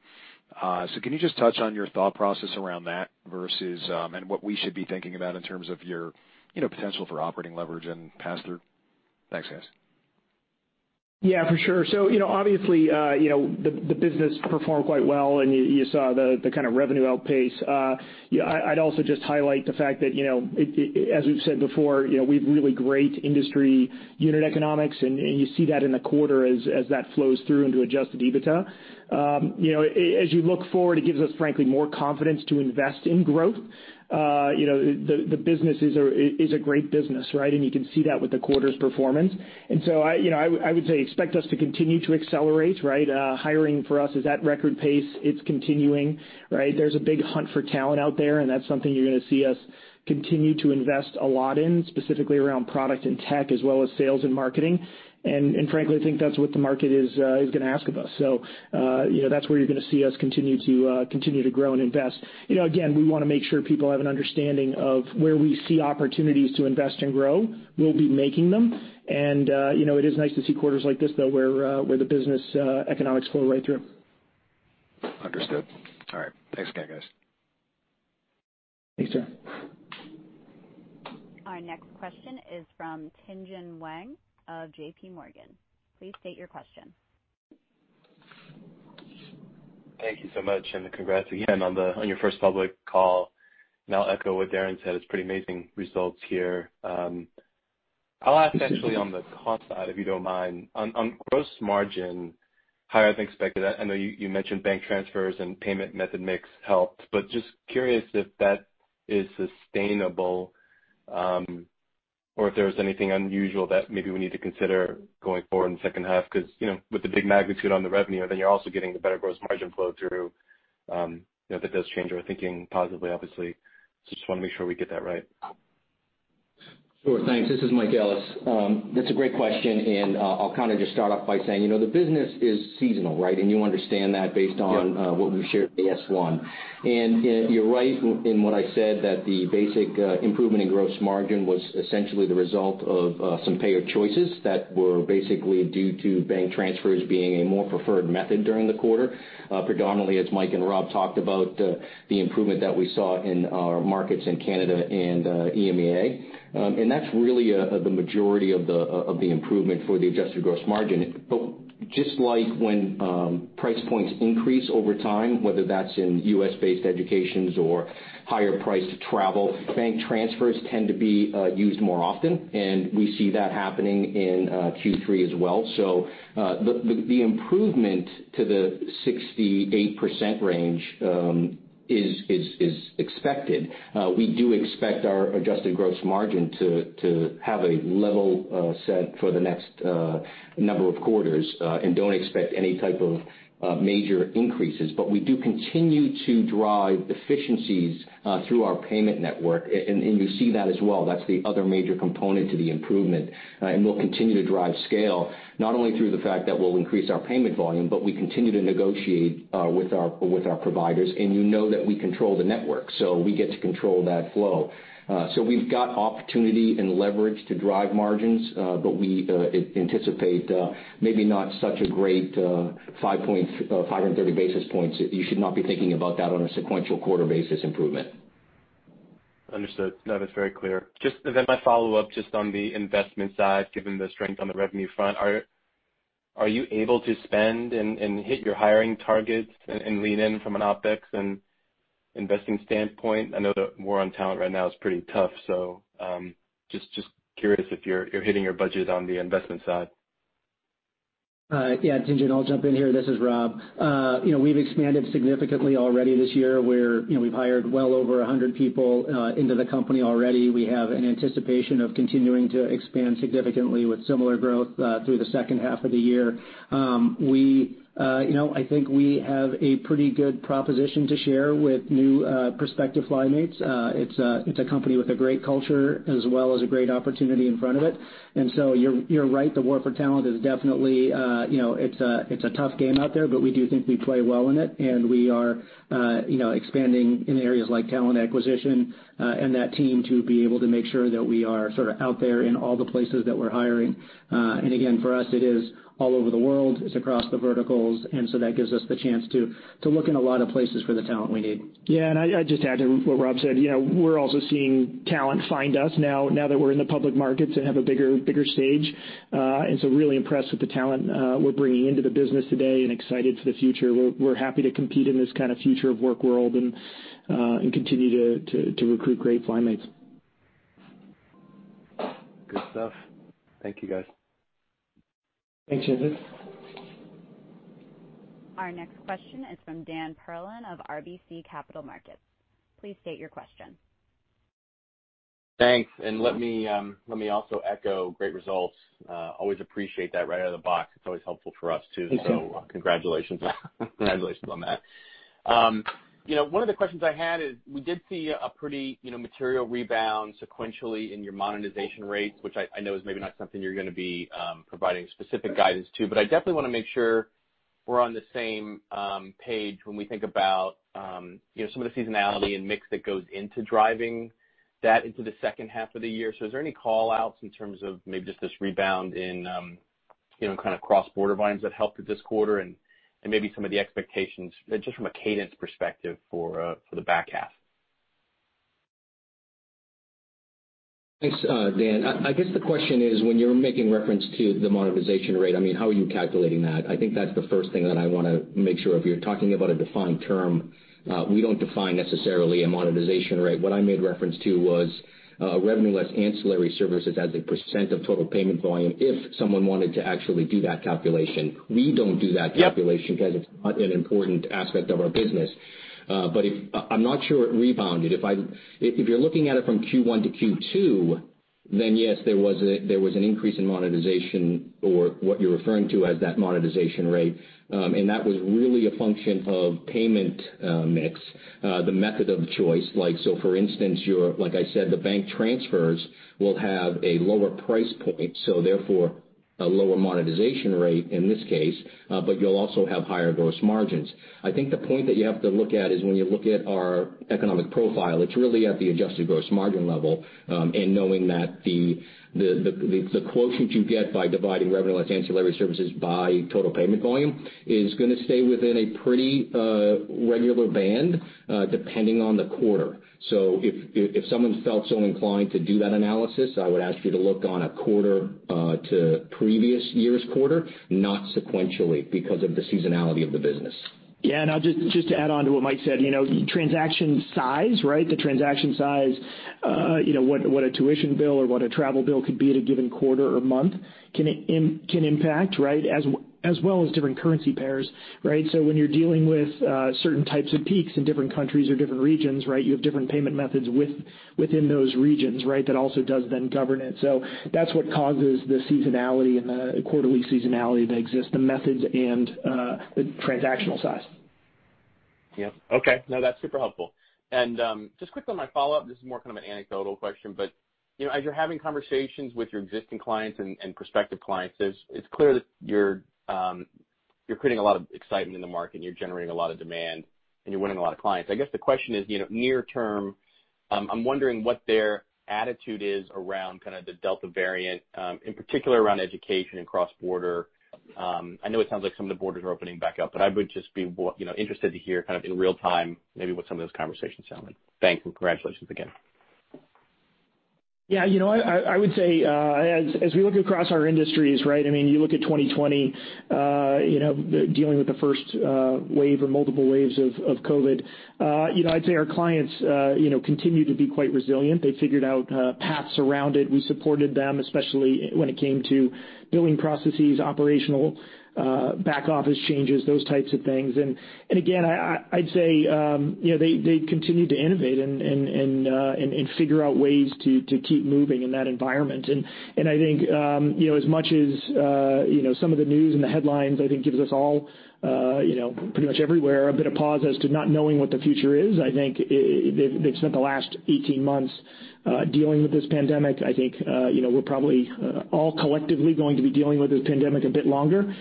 Can you just touch on your thought process around that versus, and what we should be thinking about in terms of your, you know, potential for operating leverage and pass through? Thanks, guys. Yeah, for sure. You know, obviously, you know, the business performed quite well, and you saw the kind of revenue outpace. I'd also just highlight the fact that, you know, as we've said before, you know, we've really great industry unit economics, and you see that in the quarter as that flows through into adjusted EBITDA. You know, as you look forward, it gives us, frankly, more confidence to invest in growth. You know, the business is a great business, right? You can see that with the quarter's performance. I, you know, I would say expect us to continue to accelerate, right? Hiring for us is at record pace. It's continuing, right? There's a big hunt for talent out there, and that's something you're gonna see us continue to invest a lot in, specifically around product and tech, as well as sales and marketing. Frankly, I think that's what the market is gonna ask of us. You know, that's where you're gonna see us continue to grow and invest. You know, again, we wanna make sure people have an understanding of where we see opportunities to invest and grow. We'll be making them. You know, it is nice to see quarters like this, though, where the business economics flow right through. Understood. All right. Thanks again, guys. Thanks, Darrin. Our next question is from Tien-Tsin Huang of JPMorgan. Please state your question. Thank you so much. Congrats again on your first public call. I'll echo what Darrin said. It's pretty amazing results here. I'll ask actually on the cost side, if you don't mind. On gross margin, higher than expected. I know you mentioned bank transfers and payment method mix helped, but just curious if that is sustainable, or if there was anything unusual that maybe we need to consider going forward in the second half because, you know, with the big magnitude on the revenue, then you're also getting the better gross margin flow through, you know, if it does change our thinking positively, obviously. Just want to make sure we get that right. Sure. Thanks. This is Mike Ellis. That's a great question, and I'll kind of just start off by saying, you know, the business is seasonal, right? You understand that based on- Yep what we've shared in the S-1. You're right in what I said that the basic improvement in gross margin was essentially the result of some payer choices that were basically due to bank transfers being a more preferred method during the quarter. Predominantly, as Mike and Rob talked about, the improvement that we saw in our markets in Canada and EMEA. That's really the majority of the improvement for the adjusted gross margin. Just like when price points increase over time, whether that's in U.S.-based educations or higher priced travel, bank transfers tend to be used more often, and we see that happening in Q3 as well. The improvement to the 68% range is expected. We do expect our adjusted gross margin to have a level set for the next number of quarters, and don't expect any type of major increases. We do continue to drive efficiencies through our payment network. You see that as well. That's the other major component to the improvement. We'll continue to drive scale, not only through the fact that we'll increase our payment volume, but we continue to negotiate with our providers. You know that we control the network, so we get to control that flow. We've got opportunity and leverage to drive margins, but we anticipate maybe not such a great 530 basis points. You should not be thinking about that on a sequential quarter basis improvement. Understood. No, that's very clear. Just then my follow-up just on the investment side, given the strength on the revenue front. Are you able to spend and hit your hiring targets and lean in from an OpEx and investing standpoint? I know the war on talent right now is pretty tough. Just curious if you're hitting your budget on the investment side. Yeah, Tien-Tsin, I'll jump in here. This is Rob. You know, we've expanded significantly already this year. You know, we've hired well over 100 people into the company already. We have an anticipation of continuing to expand significantly with similar growth through the second half of the year. We, you know, I think we have a pretty good proposition to share with new prospective FlyMates. It's a company with a great culture as well as a great opportunity in front of it. You're right, the war for talent is definitely, you know, it's a tough game out there, but we do think we play well in it, and we are, you know, expanding in areas like talent acquisition, and that team to be able to make sure that we are sort of out there in all the places that we're hiring. Again, for us, it is all over the world, it's across the verticals, and so that gives us the chance to look in a lot of places for the talent we need. I'd just add to what Rob said. You know, we're also seeing talent find us now that we're in the public market to have a bigger stage. Really impressed with the talent we're bringing into the business today and excited for the future. We're happy to compete in this kind of future of work world and continue to recruit great FlyMates. Good stuff. Thank you, guys. Thanks, Tien-Tsin Huang. Our next question is from Dan Perlin of RBC Capital Markets. Please state your question. Thanks. Let me also echo great results. Always appreciate that right out of the box. It is always helpful for us too. Thank you. Congratulations. Congratulations on that. You know, one of the questions I had is we did see a pretty, you know, material rebound sequentially in your monetization rates, which I know is maybe not something you're gonna be, providing specific guidance to. I definitely wanna make sure we're on the same page when we think about, you know, some of the seasonality and mix that goes into driving that into the second half of the year. Is there any call-outs in terms of maybe just this rebound in, you know, kind of cross-border volumes that helped with this quarter and maybe some of the expectations just from a cadence perspective for the back half? Thanks, Dan. I guess the question is when you're making reference to the monetization rate, I mean, how are you calculating that? I think that's the first thing that I wanna make sure if you're talking about a defined term, we don't define necessarily a monetization rate. What I made reference to was Revenue Less Ancillary Services as a percent of total payment volume if someone wanted to actually do that calculation. We don't do that calculation. Yep 'Cause it's not an important aspect of our business. If I'm not sure it rebounded. If you're looking at it from Q1 to Q2, then yes, there was an increase in monetization or what you're referring to as that monetization rate. That was really a function of payment mix, the method of choice. Like, so for instance, like I said, the bank transfers will have a lower price point, so therefore a lower monetization rate in this case, but you'll also have higher gross margins. I think the point that you have to look at is when you look at our economic profile, it's really at the adjusted gross margin level, and knowing that the quotient you get by dividing Revenue Less Ancillary Services by total payment volume is gonna stay within a pretty regular band, depending on the quarter. If someone felt so inclined to do that analysis, I would ask you to look on a quarter to previous year's quarter, not sequentially because of the seasonality of the business. Yeah, I'll just to add on to what Mike said, you know, transaction size, right? The transaction size, you know, what a tuition bill or what a travel bill could be at a given quarter or month can impact, right? As well as different currency pairs, right? When you're dealing with certain types of peaks in different countries or different regions, right, you have different payment methods within those regions, right? That also does then govern it. That's what causes the seasonality and the quarterly seasonality that exists, the methods and the transactional size. Yep. Okay. No, that's super helpful. Just quickly on my follow-up, this is more kind of an anecdotal question, but, you know, as you're having conversations with your existing clients and prospective clients, it's clear that you're creating a lot of excitement in the market and you're generating a lot of demand, and you're winning a lot of clients. I guess the question is, you know, near term, I'm wondering what their attitude is around kind of the Delta variant in particular around education and cross-border. I know it sounds like some of the borders are opening back up, but I would just be, you know, interested to hear kind of in real time maybe what some of those conversations sound like. Thanks, congratulations again. Yeah, you know, I would say, as we look across our industries, right? I mean, you look at 2020, you know, dealing with the first wave or multiple waves of COVID, you know, I'd say our clients, you know, continue to be quite resilient. They figured out paths around it. We supported them, especially when it came to billing processes, operational, back office changes, those types of things. Again, I'd say, you know, they continue to innovate and figure out ways to keep moving in that environment. I think, you know, as much as, you know, some of the news and the headlines, I think gives us all, you know, pretty much everywhere a bit of pause as to not knowing what the future is. I think they've spent the last 18 months dealing with this pandemic. I think, you know, we're probably all collectively going to be dealing with this pandemic a bit longer.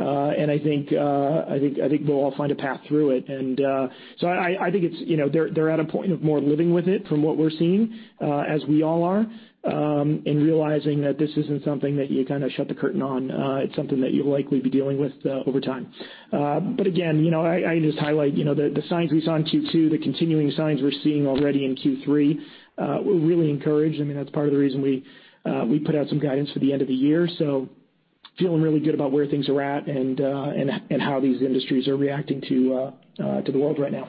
I think we'll all find a path through it. I think it's, you know, they're at a point of more living with it from what we're seeing, as we all are, and realizing that this isn't something that you kinda shut the curtain on. It's something that you'll likely be dealing with over time. Again, you know, I just highlight, you know, the signs we saw in Q2, the continuing signs we're seeing already in Q3, we're really encouraged. I mean, that's part of the reason we put out some guidance for the end of the year. Feeling really good about where things are at and how these industries are reacting to the world right now.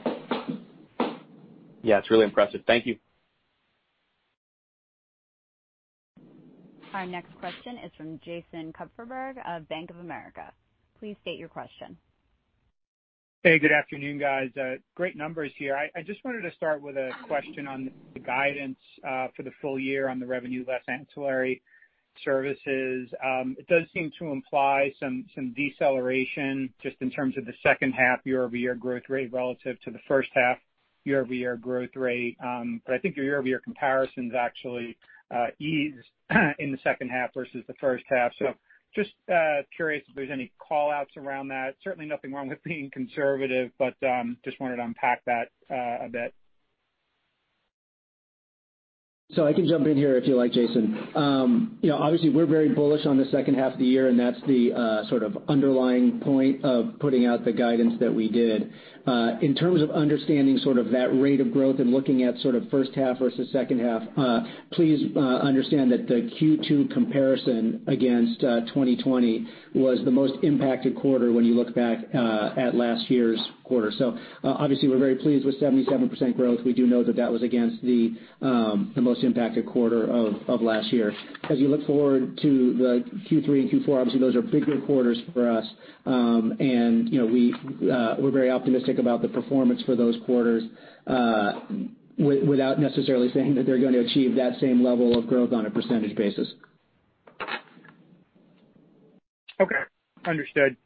Yeah, it's really impressive. Thank you. Our next question is from Jason Kupferberg of Bank of America. Please state your question. Hey, good afternoon, guys. Great numbers here. I just wanted to start with a question on the guidance for the full year on the Revenue Less Ancillary Services. It does seem to imply some deceleration just in terms of the second half year-over-year growth rate relative to the first half year-over-year growth rate. I think your year-over-year comparisons actually ease in the second half versus the first half. Just curious if there's any call-outs around that. Certainly nothing wrong with being conservative, just wanted to unpack that a bit. I can jump in here if you like, Jason. You know, obviously we're very bullish on the second half of the year, and that's the sort of underlying point of putting out the guidance that we did. In terms of understanding sort of that rate of growth and looking at sort of first half versus second half, please understand that the Q2 comparison against 2020 was the most impacted quarter when you look back at last year's quarter. Obviously, we're very pleased with 77% growth. We do know that that was against the most impacted quarter of last year. As you look forward to the Q3 and Q4, obviously, those are bigger quarters for us. You know, we're very optimistic about the performance for those quarters, without necessarily saying that they're gonna achieve that same level of growth on a percentage basis. Understood.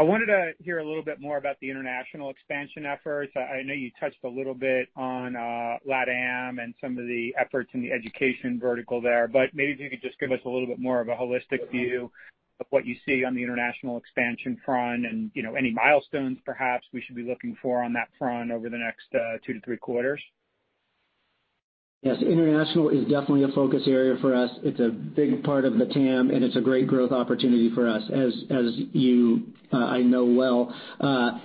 I wanted to hear a little bit more about the international expansion efforts. I know you touched a little bit on LATAM and some of the efforts in the education vertical there, but maybe if you could just give us a little bit more of a holistic view of what you see on the international expansion front and, you know, any milestones perhaps we should be looking for on that front over the next two to three-quarters?. Yes, international is definitely a focus area for us. It's a big part of the TAM, and it's a great growth opportunity for us. As you, I know well,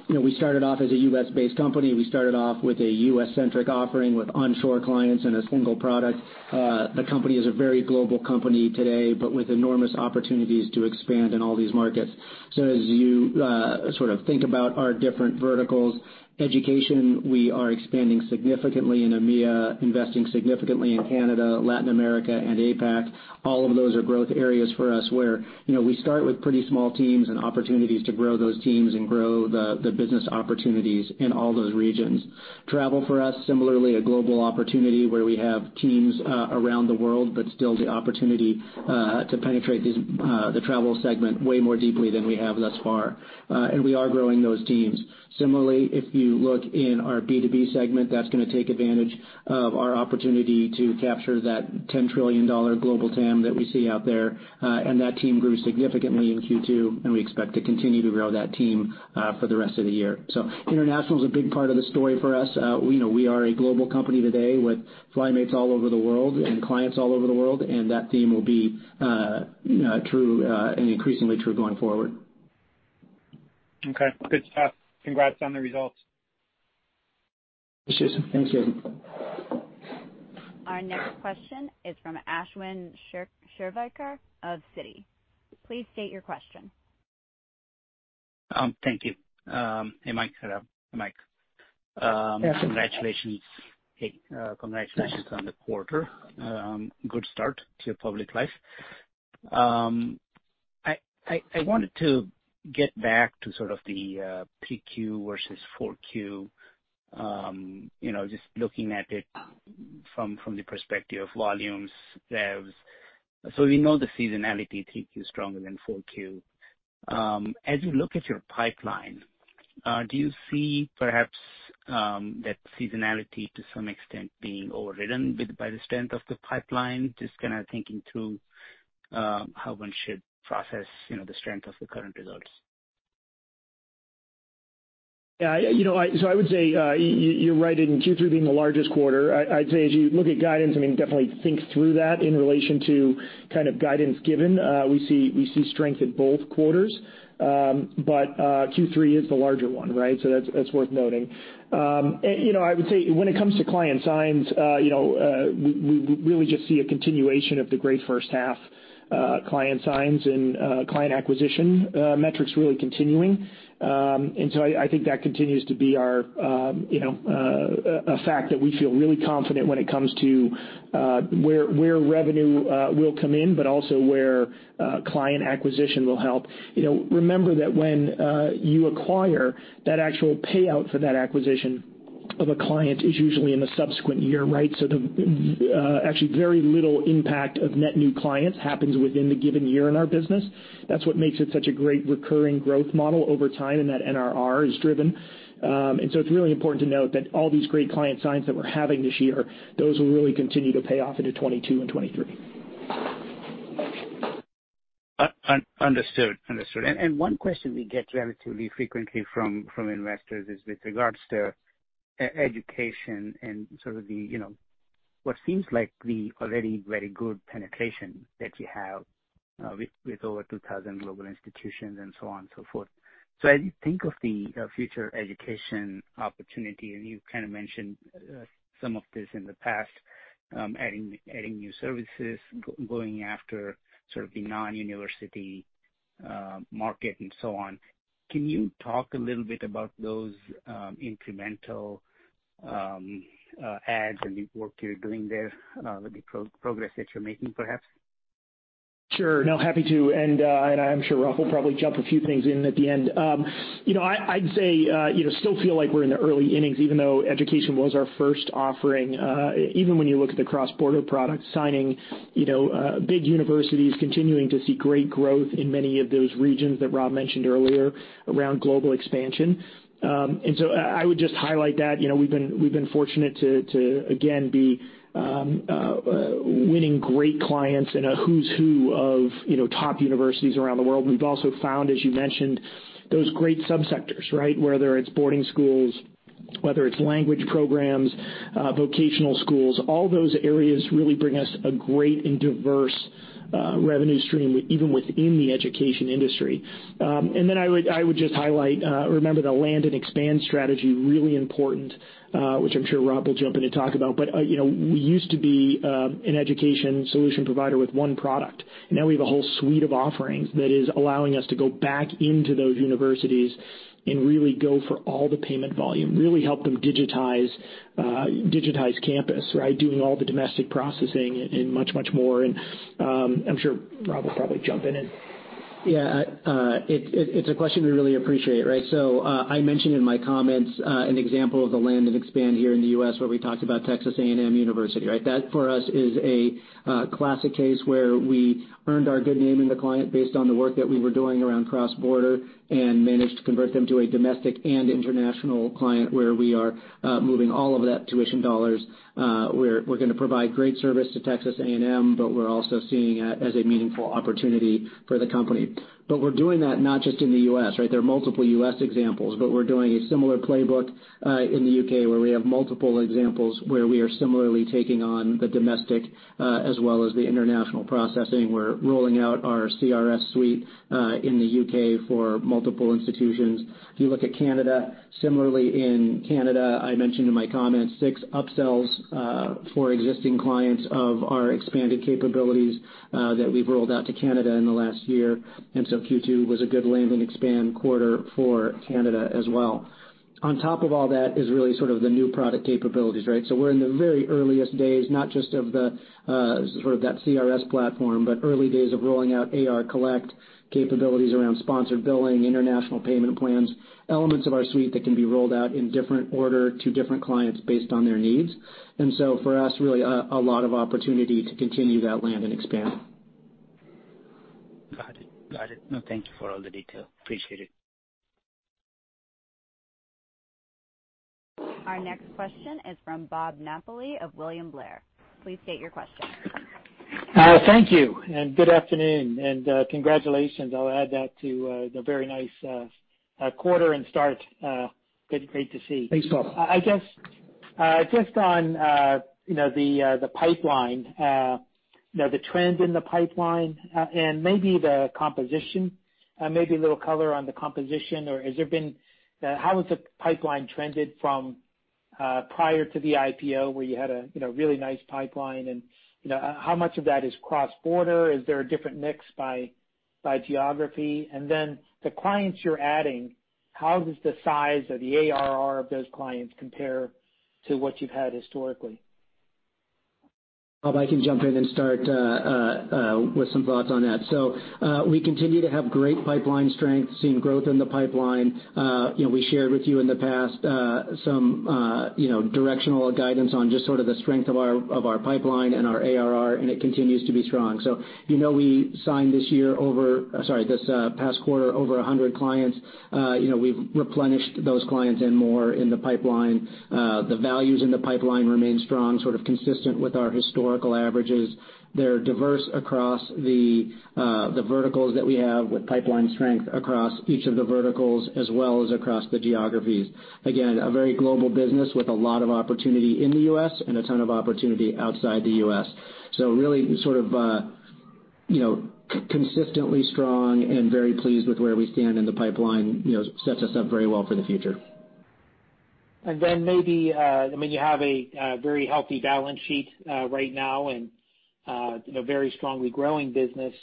you know, we started off as a U.S.-based company. We started off with a U.S.-centric offering with onshore clients and a single product. The company is a very global company today, but with enormous opportunities to expand in all these markets. As you sort of think about our different verticals, education, we are expanding significantly in EMEA, investing significantly in Canada, Latin America and APAC. All of those are growth areas for us, where, you know, we start with pretty small teams and opportunities to grow the business opportunities in all those regions. Travel for us, similarly a global opportunity where we have teams, around the world, but still the opportunity, to penetrate these, the travel segment way more deeply than we have thus far. We are growing those teams. Similarly, if you look in our B2B segment, that's gonna take advantage of our opportunity to capture that $10 trillion global TAM that we see out there. That team grew significantly in Q2, and we expect to continue to grow that team, for the rest of the year. International is a big part of the story for us. We know we are a global company today with FlyMates all over the world and clients all over the world, and that theme will be, true, and increasingly true going forward. Okay. Good stuff. Congrats on the results. Thanks, Jason. Thanks, Jason. Our next question is from Ashwin Shirvaikar of Citi. Please state your question. Thank you. Hey, Mike. Yes. Congratulations. Congratulations on the quarter. Good start to your public life. I wanted to get back to sort of the 3Q versus 4Q, you know, just looking at it from the perspective of volumes, revs. We know the seasonality, Q3 is stronger than Q4. As you look at your pipeline, do you see perhaps that seasonality to some extent being overridden by the strength of the pipeline? Just kinda thinking through how one should process, you know, the strength of the current results. You know, I would say, you're right in Q3 being the largest quarter. I'd say as you look at guidance, I mean, definitely think through that in relation to kind of guidance given. We see strength in both quarters. Q3 is the larger one, right? That's worth noting. You know, I would say when it comes to client signs, you know, we really just see a continuation of the great first half, client signs and client acquisition metrics really continuing. I think that continues to be our, you know, a fact that we feel really confident when it comes to where revenue will come in, but also where client acquisition will help. You know, remember that when you acquire, that actual payout for that acquisition of a client is usually in the subsequent year, right? The actually very little impact of net new clients happens within the given year in our business. That's what makes it such a great recurring growth model over time, and that NRR is driven. It's really important to note that all these great client signs that we're having this year, those will really continue to pay off into 2022 and 2023. Understood. One question we get relatively frequently from investors is with regards to e-education and sort of the, you know, what seems like the already very good penetration that you have, with over 2,000 global institutions and so on and so forth. As you think of the future education opportunity, and you've kind of mentioned some of this in the past, adding new services, going after sort of the non-university market and so on. Can you talk a little bit about those incremental ads and the work you're doing there, the progress that you're making, perhaps? Sure. No, happy to. I'm sure Rob will probably jump a few things in at the end. You know, I'd say, you know, still feel like we're in the early innings, even though education was our first offering. Even when you look at the cross-border product signing, you know, big universities continuing to see great growth in many of those regions that Rob mentioned earlier around global expansion. So I would just highlight that, you know, we've been fortunate to again be winning great clients in a who's who of, you know, top universities around the world. We've also found, as you mentioned, those great subsectors, right? Whether it's boarding schools, whether it's language programs, vocational schools, all those areas really bring us a great and diverse revenue stream even within the education industry. Then I would just highlight, remember the land and expand strategy, really important, which I'm sure Rob will jump in and talk about. You know, we used to be an education solution provider with one product. Now we have a whole suite of offerings that is allowing us to go back into those universities and really go for all the payment volume, really help them digitize campus, right? Doing all the domestic processing and much, much more. I'm sure Rob will probably jump in and. Yeah. It's a question we really appreciate, right? I mentioned in my comments an example of the land and expand here in the U.S., where we talked about Texas A&M University, right? That, for us, is a classic case where we earned our good name in the client based on the work that we were doing around cross-border and managed to convert them to a domestic and international client, where we are moving all of that tuition dollars. We're gonna provide great service to Texas A&M, but we're also seeing it as a meaningful opportunity for the company. We're doing that not just in the U.S., right? There are multiple U.S. examples, but we're doing a similar playbook in the U.K., where we have multiple examples where we are similarly taking on the domestic as well as the international processing. We're rolling out our CRS suite in the U.K. for multiple institutions. If you look at Canada, similarly in Canada, I mentioned in my comments six upsells for existing clients of our expanded capabilities that we've rolled out to Canada in the last year. Q2 was a good land and expand quarter for Canada as well. On top of all that is really sort of the new product capabilities, right? We're in the very earliest days, not just of the sort of that CRS platform, but early days of rolling out A/R Collect capabilities around sponsored billing, international payment plans, elements of our suite that can be rolled out in different order to different clients based on their needs. For us, really a lot of opportunity to continue that land and expand. Got it. Got it. No, thank you for all the detail. Appreciate it. Our next question is from Bob Napoli of William Blair. Please state your question. Thank you, and good afternoon and congratulations. I'll add that to the very nice quarter and start. Good, great to see. Thanks, Bob. I guess, just on the pipeline, the trends in the pipeline, and maybe the composition, maybe a little color on the composition. How has the pipeline trended from prior to the IPO where you had a really nice pipeline, and how much of that is cross-border? Is there a different mix by geography? Then the clients you're adding, how does the size of the ARR of those clients compare to what you've had historically? Bob, I can jump in and start with some thoughts on that. We continue to have great pipeline strength, seeing growth in the pipeline. You know, we shared with you in the past, some, you know, directional guidance on just sort of the strength of our pipeline and our ARR, and it continues to be strong. You know, we signed this year over this past quarter, over 100 clients. You know, we've replenished those clients and more in the pipeline. The values in the pipeline remain strong, sort of consistent with our historical averages. They're diverse across the verticals that we have with pipeline strength across each of the verticals as well as across the geographies. Again, a very global business with a lot of opportunity in the U.S. and a ton of opportunity outside the U.S. Really sort of, you know, consistently strong and very pleased with where we stand in the pipeline, you know, sets us up very well for the future. Maybe, I mean, you have a very healthy balance sheet right now and, you know, very strongly growing business.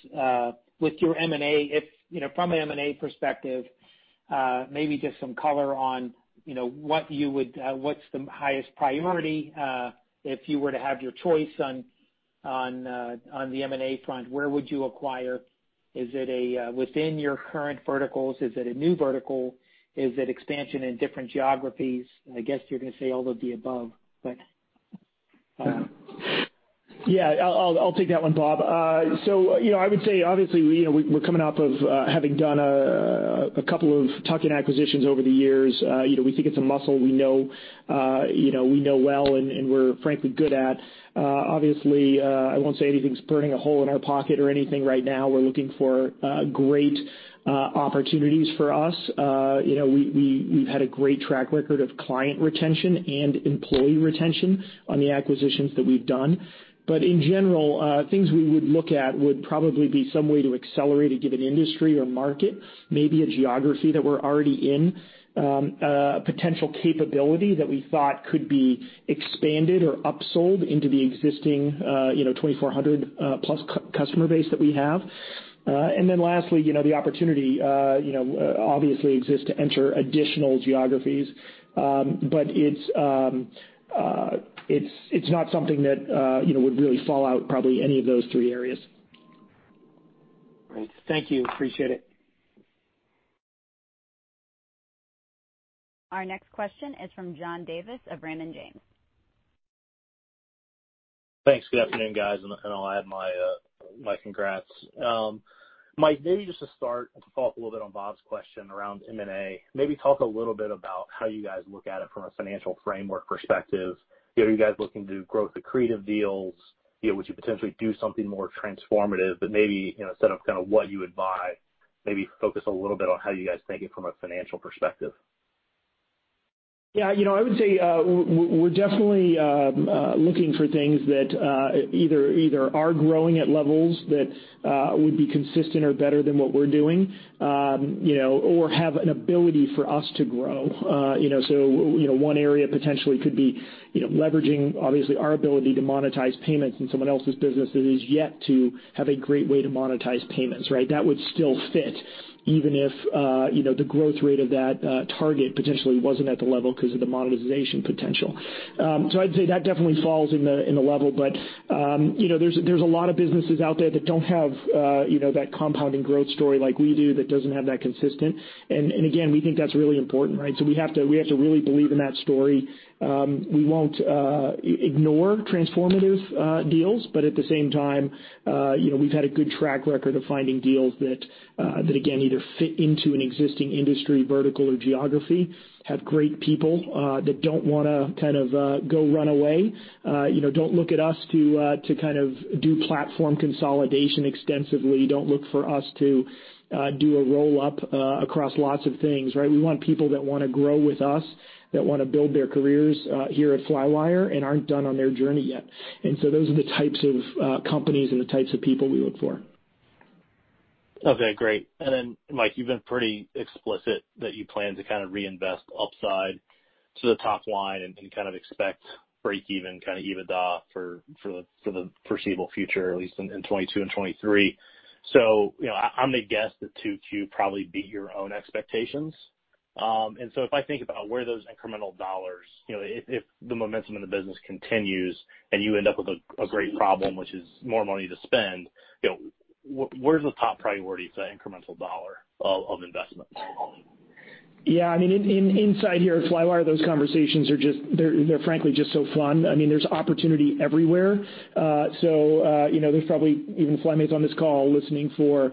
With your M&A, if, you know, from an M&A perspective, maybe just some color on, you know, what you would, what's the highest priority if you were to have your choice on the M&A front, where would you acquire? Is it within your current verticals? Is it a new vertical? Is it expansion in different geographies? I guess you're gonna say all of the above, but. Yeah. I'll take that one, Bob. You know, I would say, obviously, you know, we're coming off of having done a couple of tuck-in acquisitions over the years. You know, we think it's a muscle we know, you know, we know well and we're frankly good at. Obviously, I won't say anything's burning a hole in our pocket or anything right now. We're looking for great opportunities for us. You know, we've had a great track record of client retention and employee retention on the acquisitions that we've done. In general, things we would look at would probably be some way to accelerate a given industry or market, maybe a geography that we're already in, a potential capability that we thought could be expanded or upsold into the existing, you know, 2,400+ customer base that we have. Lastly, you know, the opportunity, you know, obviously exists to enter additional geographies. It's, it's not something that, you know, would really fall out probably any of those three areas. Great. Thank you. Appreciate it. Our next question is from John Davis of Raymond James. Thanks. Good afternoon, guys, and I'll add my congrats. Mike, maybe just to start, to follow up a little bit on Bob Napoli's question around M&A, maybe talk a little bit about how you guys look at it from a financial framework perspective. You know, are you guys looking to do growth-accretive deals? You know, would you potentially do something more transformative? Maybe, you know, instead of kinda what you would buy, maybe focus a little bit on how you guys think it from a financial perspective. Yeah, you know, I would say, we're definitely looking for things that either are growing at levels that would be consistent or better than what we're doing, you know, or have an ability for us to grow. You know, one area potentially could be, you know, leveraging obviously our ability to monetize payments in someone else's business that is yet to have a great way to monetize payments, right? That would still fit even if, you know, the growth rate of that target potentially wasn't at the level because of the monetization potential. I'd say that definitely falls in the level, but, you know, there's a lot of businesses out there that don't have, you know, that compounding growth story like we do that doesn't have that consistent. Again, we think that's really important, right? We have to really believe in that story. We won't ignore transformative deals, but at the same time, you know, we've had a good track record of finding deals that again, either fit into an existing industry vertical or geography, have great people that don't wanna kind of go run away. You know, don't look at us to kind of do platform consolidation extensively. Don't look for us to do a roll-up across lots of things, right? We want people that wanna grow with us, that wanna build their careers here at Flywire and aren't done on their journey yet. Those are the types of companies and the types of people we look for. Okay, great. Then Mike, you've been pretty explicit that you plan to kind of reinvest upside to the top line and kind of expect breakeven kind of EBITDA for the foreseeable future, at least in 2022 and 2023. You know, I'm gonna guess that Q2 probably beat your own expectations. If I think about where those incremental dollars, you know, if the momentum in the business continues and you end up with a great problem, which is more money to spend, you know, where's the top priority for that incremental dollar of investment? Yeah. I mean, inside here at Flywire, those conversations are just, they're frankly just so fun. I mean, there's opportunity everywhere. You know, there's probably even FlyMates on this call listening for,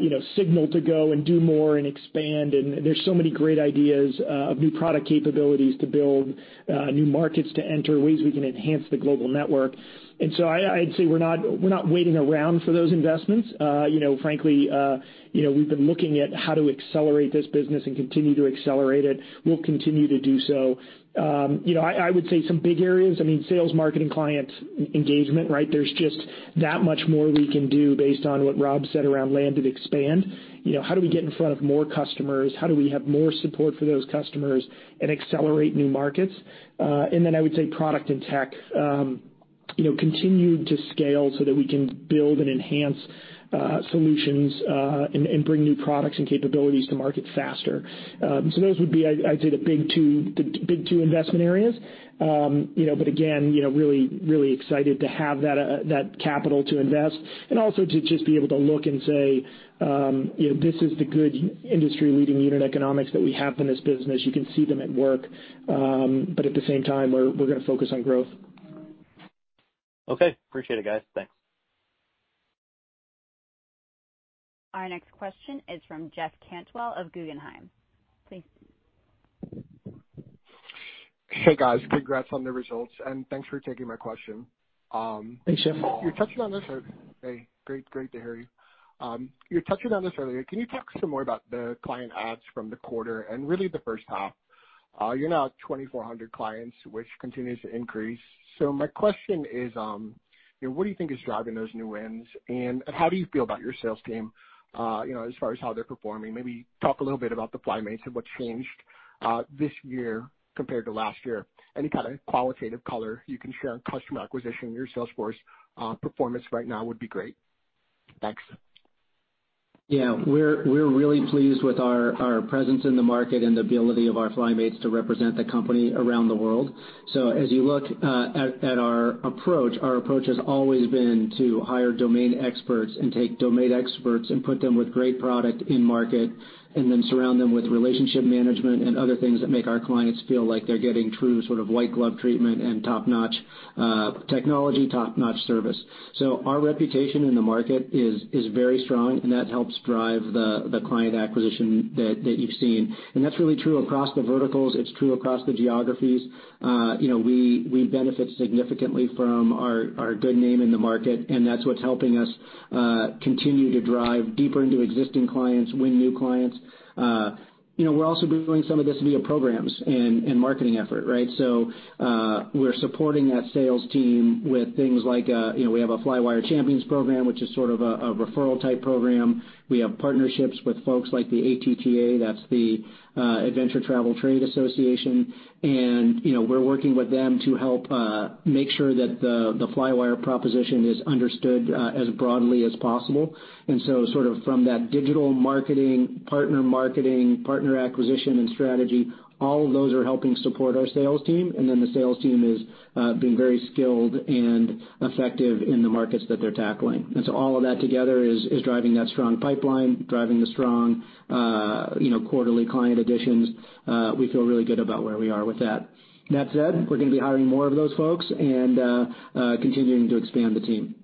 you know, signal to go and do more and expand. There's so many great ideas of new product capabilities to build, new markets to enter, ways we can enhance the global network. I'd say we're not waiting around for those investments. You know, frankly, you know, we've been looking at how to accelerate this business and continue to accelerate it. We'll continue to do so. You know, I would say some big areas, I mean, sales, marketing, client engagement, right? There's just that much more we can do based on what Rob said around land and expand. You know, how do we get in front of more customers? How do we have more support for those customers and accelerate new markets? Then I would say product and tech, you know, continue to scale so that we can build and enhance solutions and bring new products and capabilities to market faster. Those would be, I'd say the big two investment areas. You know, but again, you know, really excited to have that capital to invest and also to just be able to look and say, you know, this is the good industry-leading unit economics that we have in this business. You can see them at work. At the same time, we're gonna focus on growth. Okay. Appreciate it, guys. Thanks. Our next question is from Jeff Cantwell of Guggenheim. Please. Hey, guys. Congrats on the results. Thanks for taking my question. Thanks, Jeff. Hey, great to hear you. You touched on this earlier. Can you talk some more about the client adds from the quarter and really the first half? You're now at 2,400 clients, which continues to increase. My question is, you know, what do you think is driving those new wins? How do you feel about your sales team, you know, as far as how they're performing? Maybe talk a little bit about the FlyMates and what changed this year compared to last year. Any kind of qualitative color you can share on customer acquisition, your sales force, performance right now would be great. Thanks. Yeah. We're really pleased with our presence in the market and the ability of our FlyMates to represent the company around the world. As you look at our approach, our approach has always been to hire domain experts and take domain experts and put them with great product in market, and then surround them with relationship management and other things that make our clients feel like they're getting true sort of white glove treatment and top-notch technology, top-notch service. Our reputation in the market is very strong, and that helps drive the client acquisition that you've seen. That's really true across the verticals. It's true across the geographies. You know, we benefit significantly from our good name in the market, and that's what's helping us continue to drive deeper into existing clients, win new clients. You know, we're also doing some of this via programs and marketing effort, right? We're supporting that sales team with things like, you know, we have a Flywire Champions program, which is sort of a referral type program. We have partnerships with folks like the ATTA, that's the Adventure Travel Trade Association. You know, we're working with them to help make sure that the Flywire proposition is understood as broadly as possible. Sort of from that digital marketing, partner marketing, partner acquisition and strategy, all of those are helping support our sales team. The sales team is being very skilled and effective in the markets that they're tackling. All of that together is driving that strong pipeline, driving the strong, you know, quarterly client additions. We feel really good about where we are with that. That said, we're gonna be hiring more of those folks and continuing to expand the team.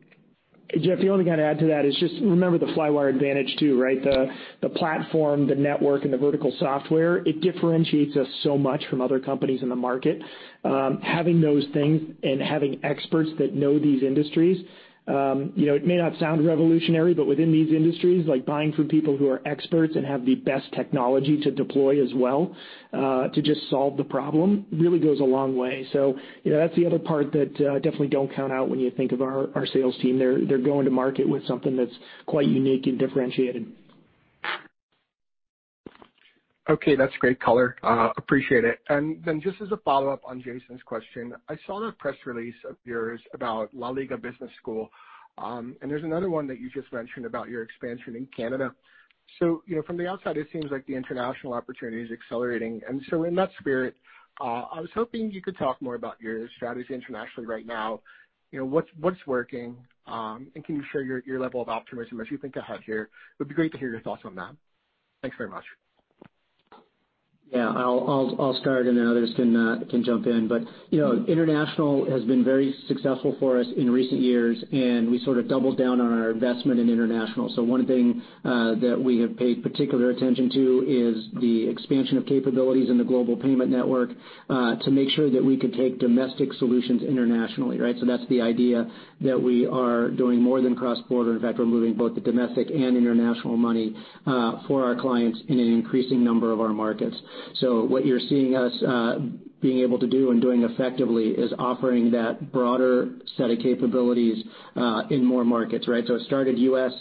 Jeff, the only thing I'd add to that is just remember the Flywire Advantage too, right? The platform, the network, and the vertical software, it differentiates us so much from other companies in the market. Having those things and having experts that know these industries, you know, it may not sound revolutionary, but within these industries, like buying from people who are experts and have the best technology to deploy as well, to just solve the problem really goes a long way. You know, that's the other part that definitely don't count out when you think of our sales team. They're going to market with something that's quite unique and differentiated. Okay. That's great color. Appreciate it. Just as a follow-up on Jason's question, I saw a press release of yours about LaLiga Business School, and there's another one that you just mentioned about your expansion in Canada. You know, from the outside, it seems like the international opportunity is accelerating. In that spirit, I was hoping you could talk more about your strategy internationally right now. You know, what's working? Can you share your level of optimism as you think ahead here? It would be great to hear your thoughts on that. Thanks very much. Yeah. I'll start, and then others can jump in. You know, international has been very successful for us in recent years, and we sort of doubled down on our investment in international. One thing that we have paid particular attention to is the expansion of capabilities in the global payment network to make sure that we could take domestic solutions internationally, right? That's the idea that we are doing more than cross-border. In fact, we're moving both the domestic and international money for our clients in an increasing number of our markets. What you're seeing us being able to do and doing effectively is offering that broader set of capabilities in more markets, right? It started U.S.,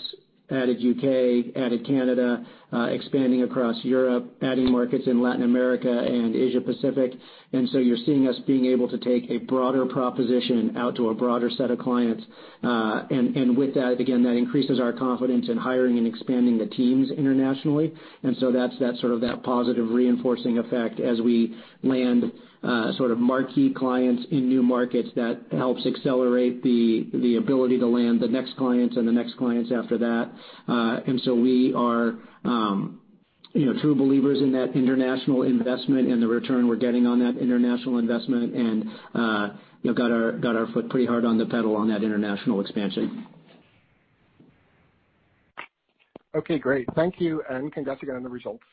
added U.K., added Canada, expanding across Europe, adding markets in Latin America and Asia Pacific. You're seeing us being able to take a broader proposition out to a broader set of clients. With that, again, that increases our confidence in hiring and expanding the teams internationally. That's that sort of that positive reinforcing effect as we land sort of marquee clients in new markets that helps accelerate the ability to land the next clients and the next clients after that. We are, you know, true believers in that international investment and the return we're getting on that international investment and, you know, got our foot pretty hard on the pedal on that international expansion. Okay, great. Thank you, and congrats again on the results.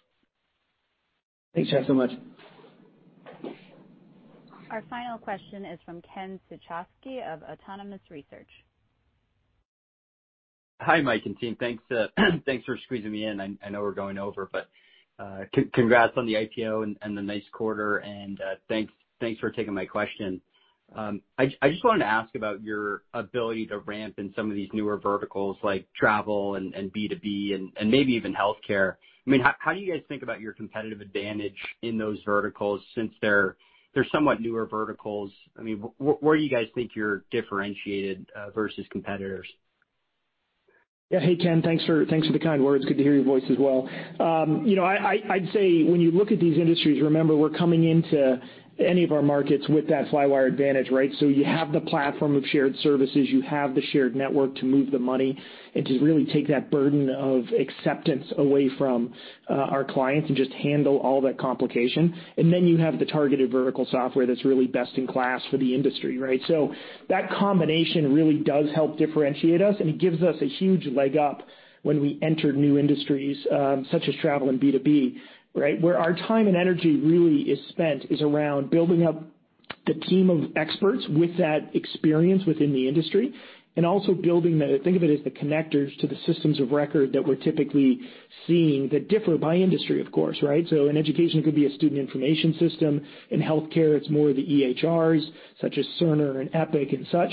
Thanks, Jeff, so much. Our final question is from Ken Suchoski of Autonomous Research. Hi, Mike and team. Thanks for squeezing me in. I know we're going over, but congrats on the IPO and the nice quarter and thanks for taking my question. I just wanted to ask about your ability to ramp in some of these newer verticals like travel and B2B and maybe even healthcare. I mean, how do you guys think about your competitive advantage in those verticals since they're somewhat newer verticals? I mean, where do you guys think you're differentiated versus competitors? Yeah. Hey, Ken. Thanks for the kind words. Good to hear your voice as well. You know, I'd say when you look at these industries, remember, we're coming into any of our markets with that Flywire Advantage, right? You have the platform of shared services, you have the shared network to move the money and to really take that burden of acceptance away from our clients and just handle all that complication. You have the targeted vertical software that's really best in class for the industry, right? That combination really does help differentiate us, and it gives us a huge leg up when we enter new industries, such as travel and B2B, right? Where our time and energy really is spent is around building up the team of experts with that experience within the industry and also building the think of it as the connectors to the systems of record that we're typically seeing that differ by industry, of course, right? In education, it could be a student information system. In healthcare, it's more the EHRs, such as Cerner and Epic and such.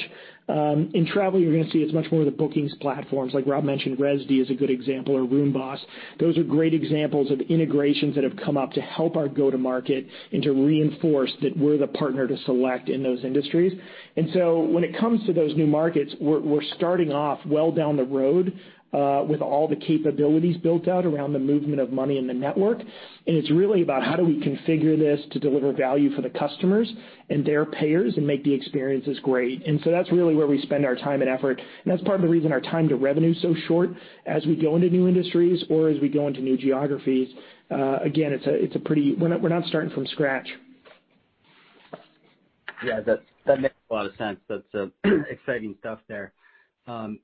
In travel, you're gonna see it's much more the bookings platforms. Like Rob mentioned, Rezdy is a good example or RoomBoss. Those are great examples of integrations that have come up to help our go-to-market and to reinforce that we're the partner to select in those industries. When it comes to those new markets, we're starting off well down the road with all the capabilities built out around the movement of money in the network, and it's really about how do we configure this to deliver value for the customers and their payers and make the experiences great. That's really where we spend our time and effort, and that's part of the reason our time to revenue is so short as we go into new industries or as we go into new geographies. Again, we're not starting from scratch. Yeah. That makes a lot of sense. That's exciting stuff there.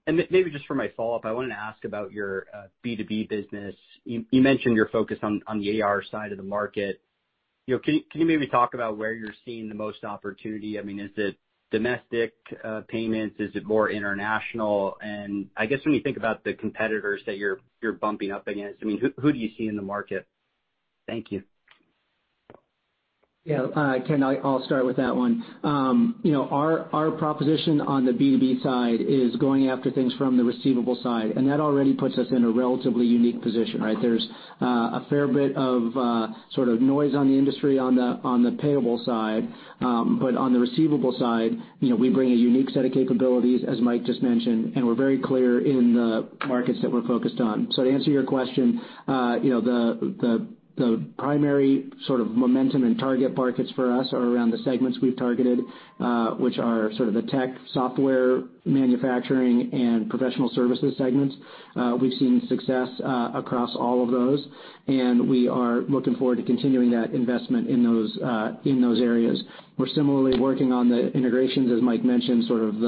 Maybe just for my follow-up, I wanted to ask about your B2B business. You mentioned your focus on the AR side of the market. You know, can you maybe talk about where you're seeing the most opportunity? I mean, is it domestic payments? Is it more international? I guess when you think about the competitors that you're bumping up against, I mean, who do you see in the market? Thank you. Yeah. Ken, I'll start with that one. You know, our proposition on the B2B side is going after things from the receivable side, and that already puts us in a relatively unique position, right? There's a fair bit of sort of noise on the industry on the payable side. On the receivable side, you know, we bring a unique set of capabilities, as Mike just mentioned, and we're very clear in the markets that we're focused on. To answer your question, you know, the primary sort of momentum and target markets for us are around the segments we've targeted, which are sort of the tech software manufacturing and professional services segments. We've seen success across all of those, and we are looking forward to continuing that investment in those in those areas. We're similarly working on the integrations, as Mike mentioned, sort of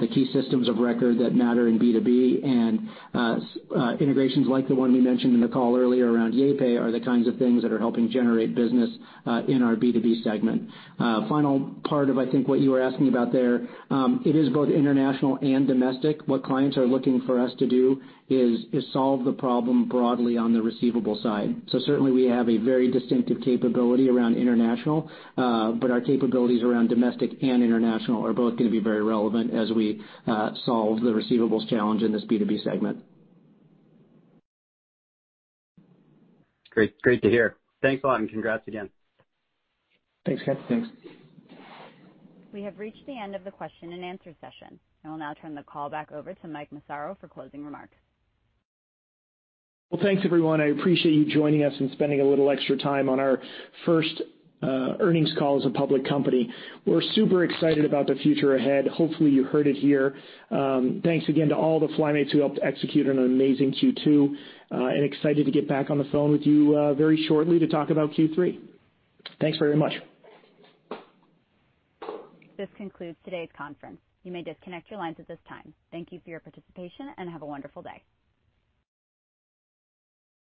the key systems of record that matter in B2B and integrations like the one we mentioned in the call earlier around Invoiced are the kinds of things that are helping generate business in our B2B segment. Final part of, I think, what you were asking about there, it is both international and domestic. What clients are looking for us to do is solve the problem broadly on the receivable side. Certainly we have a very distinctive capability around international, but our capabilities around domestic and international are both gonna be very relevant as we solve the receivables challenge in this B2B segment. Great. Great to hear. Thanks a lot, and congrats again. Thanks, Ken. Thanks. We have reached the end of the question and answer session. I will now turn the call back over to Mike Massaro for closing remarks. Well, thanks everyone. I appreciate you joining us and spending a little extra time on our first earnings call as a public company. We're super excited about the future ahead. Hopefully you heard it here. Thanks again to all the FlyMates who helped execute an amazing Q2, and excited to get back on the phone with you, very shortly to talk about Q3. Thanks very much. This concludes today's conference. You may disconnect your lines at this time. Thank you for your participation, and have a wonderful day.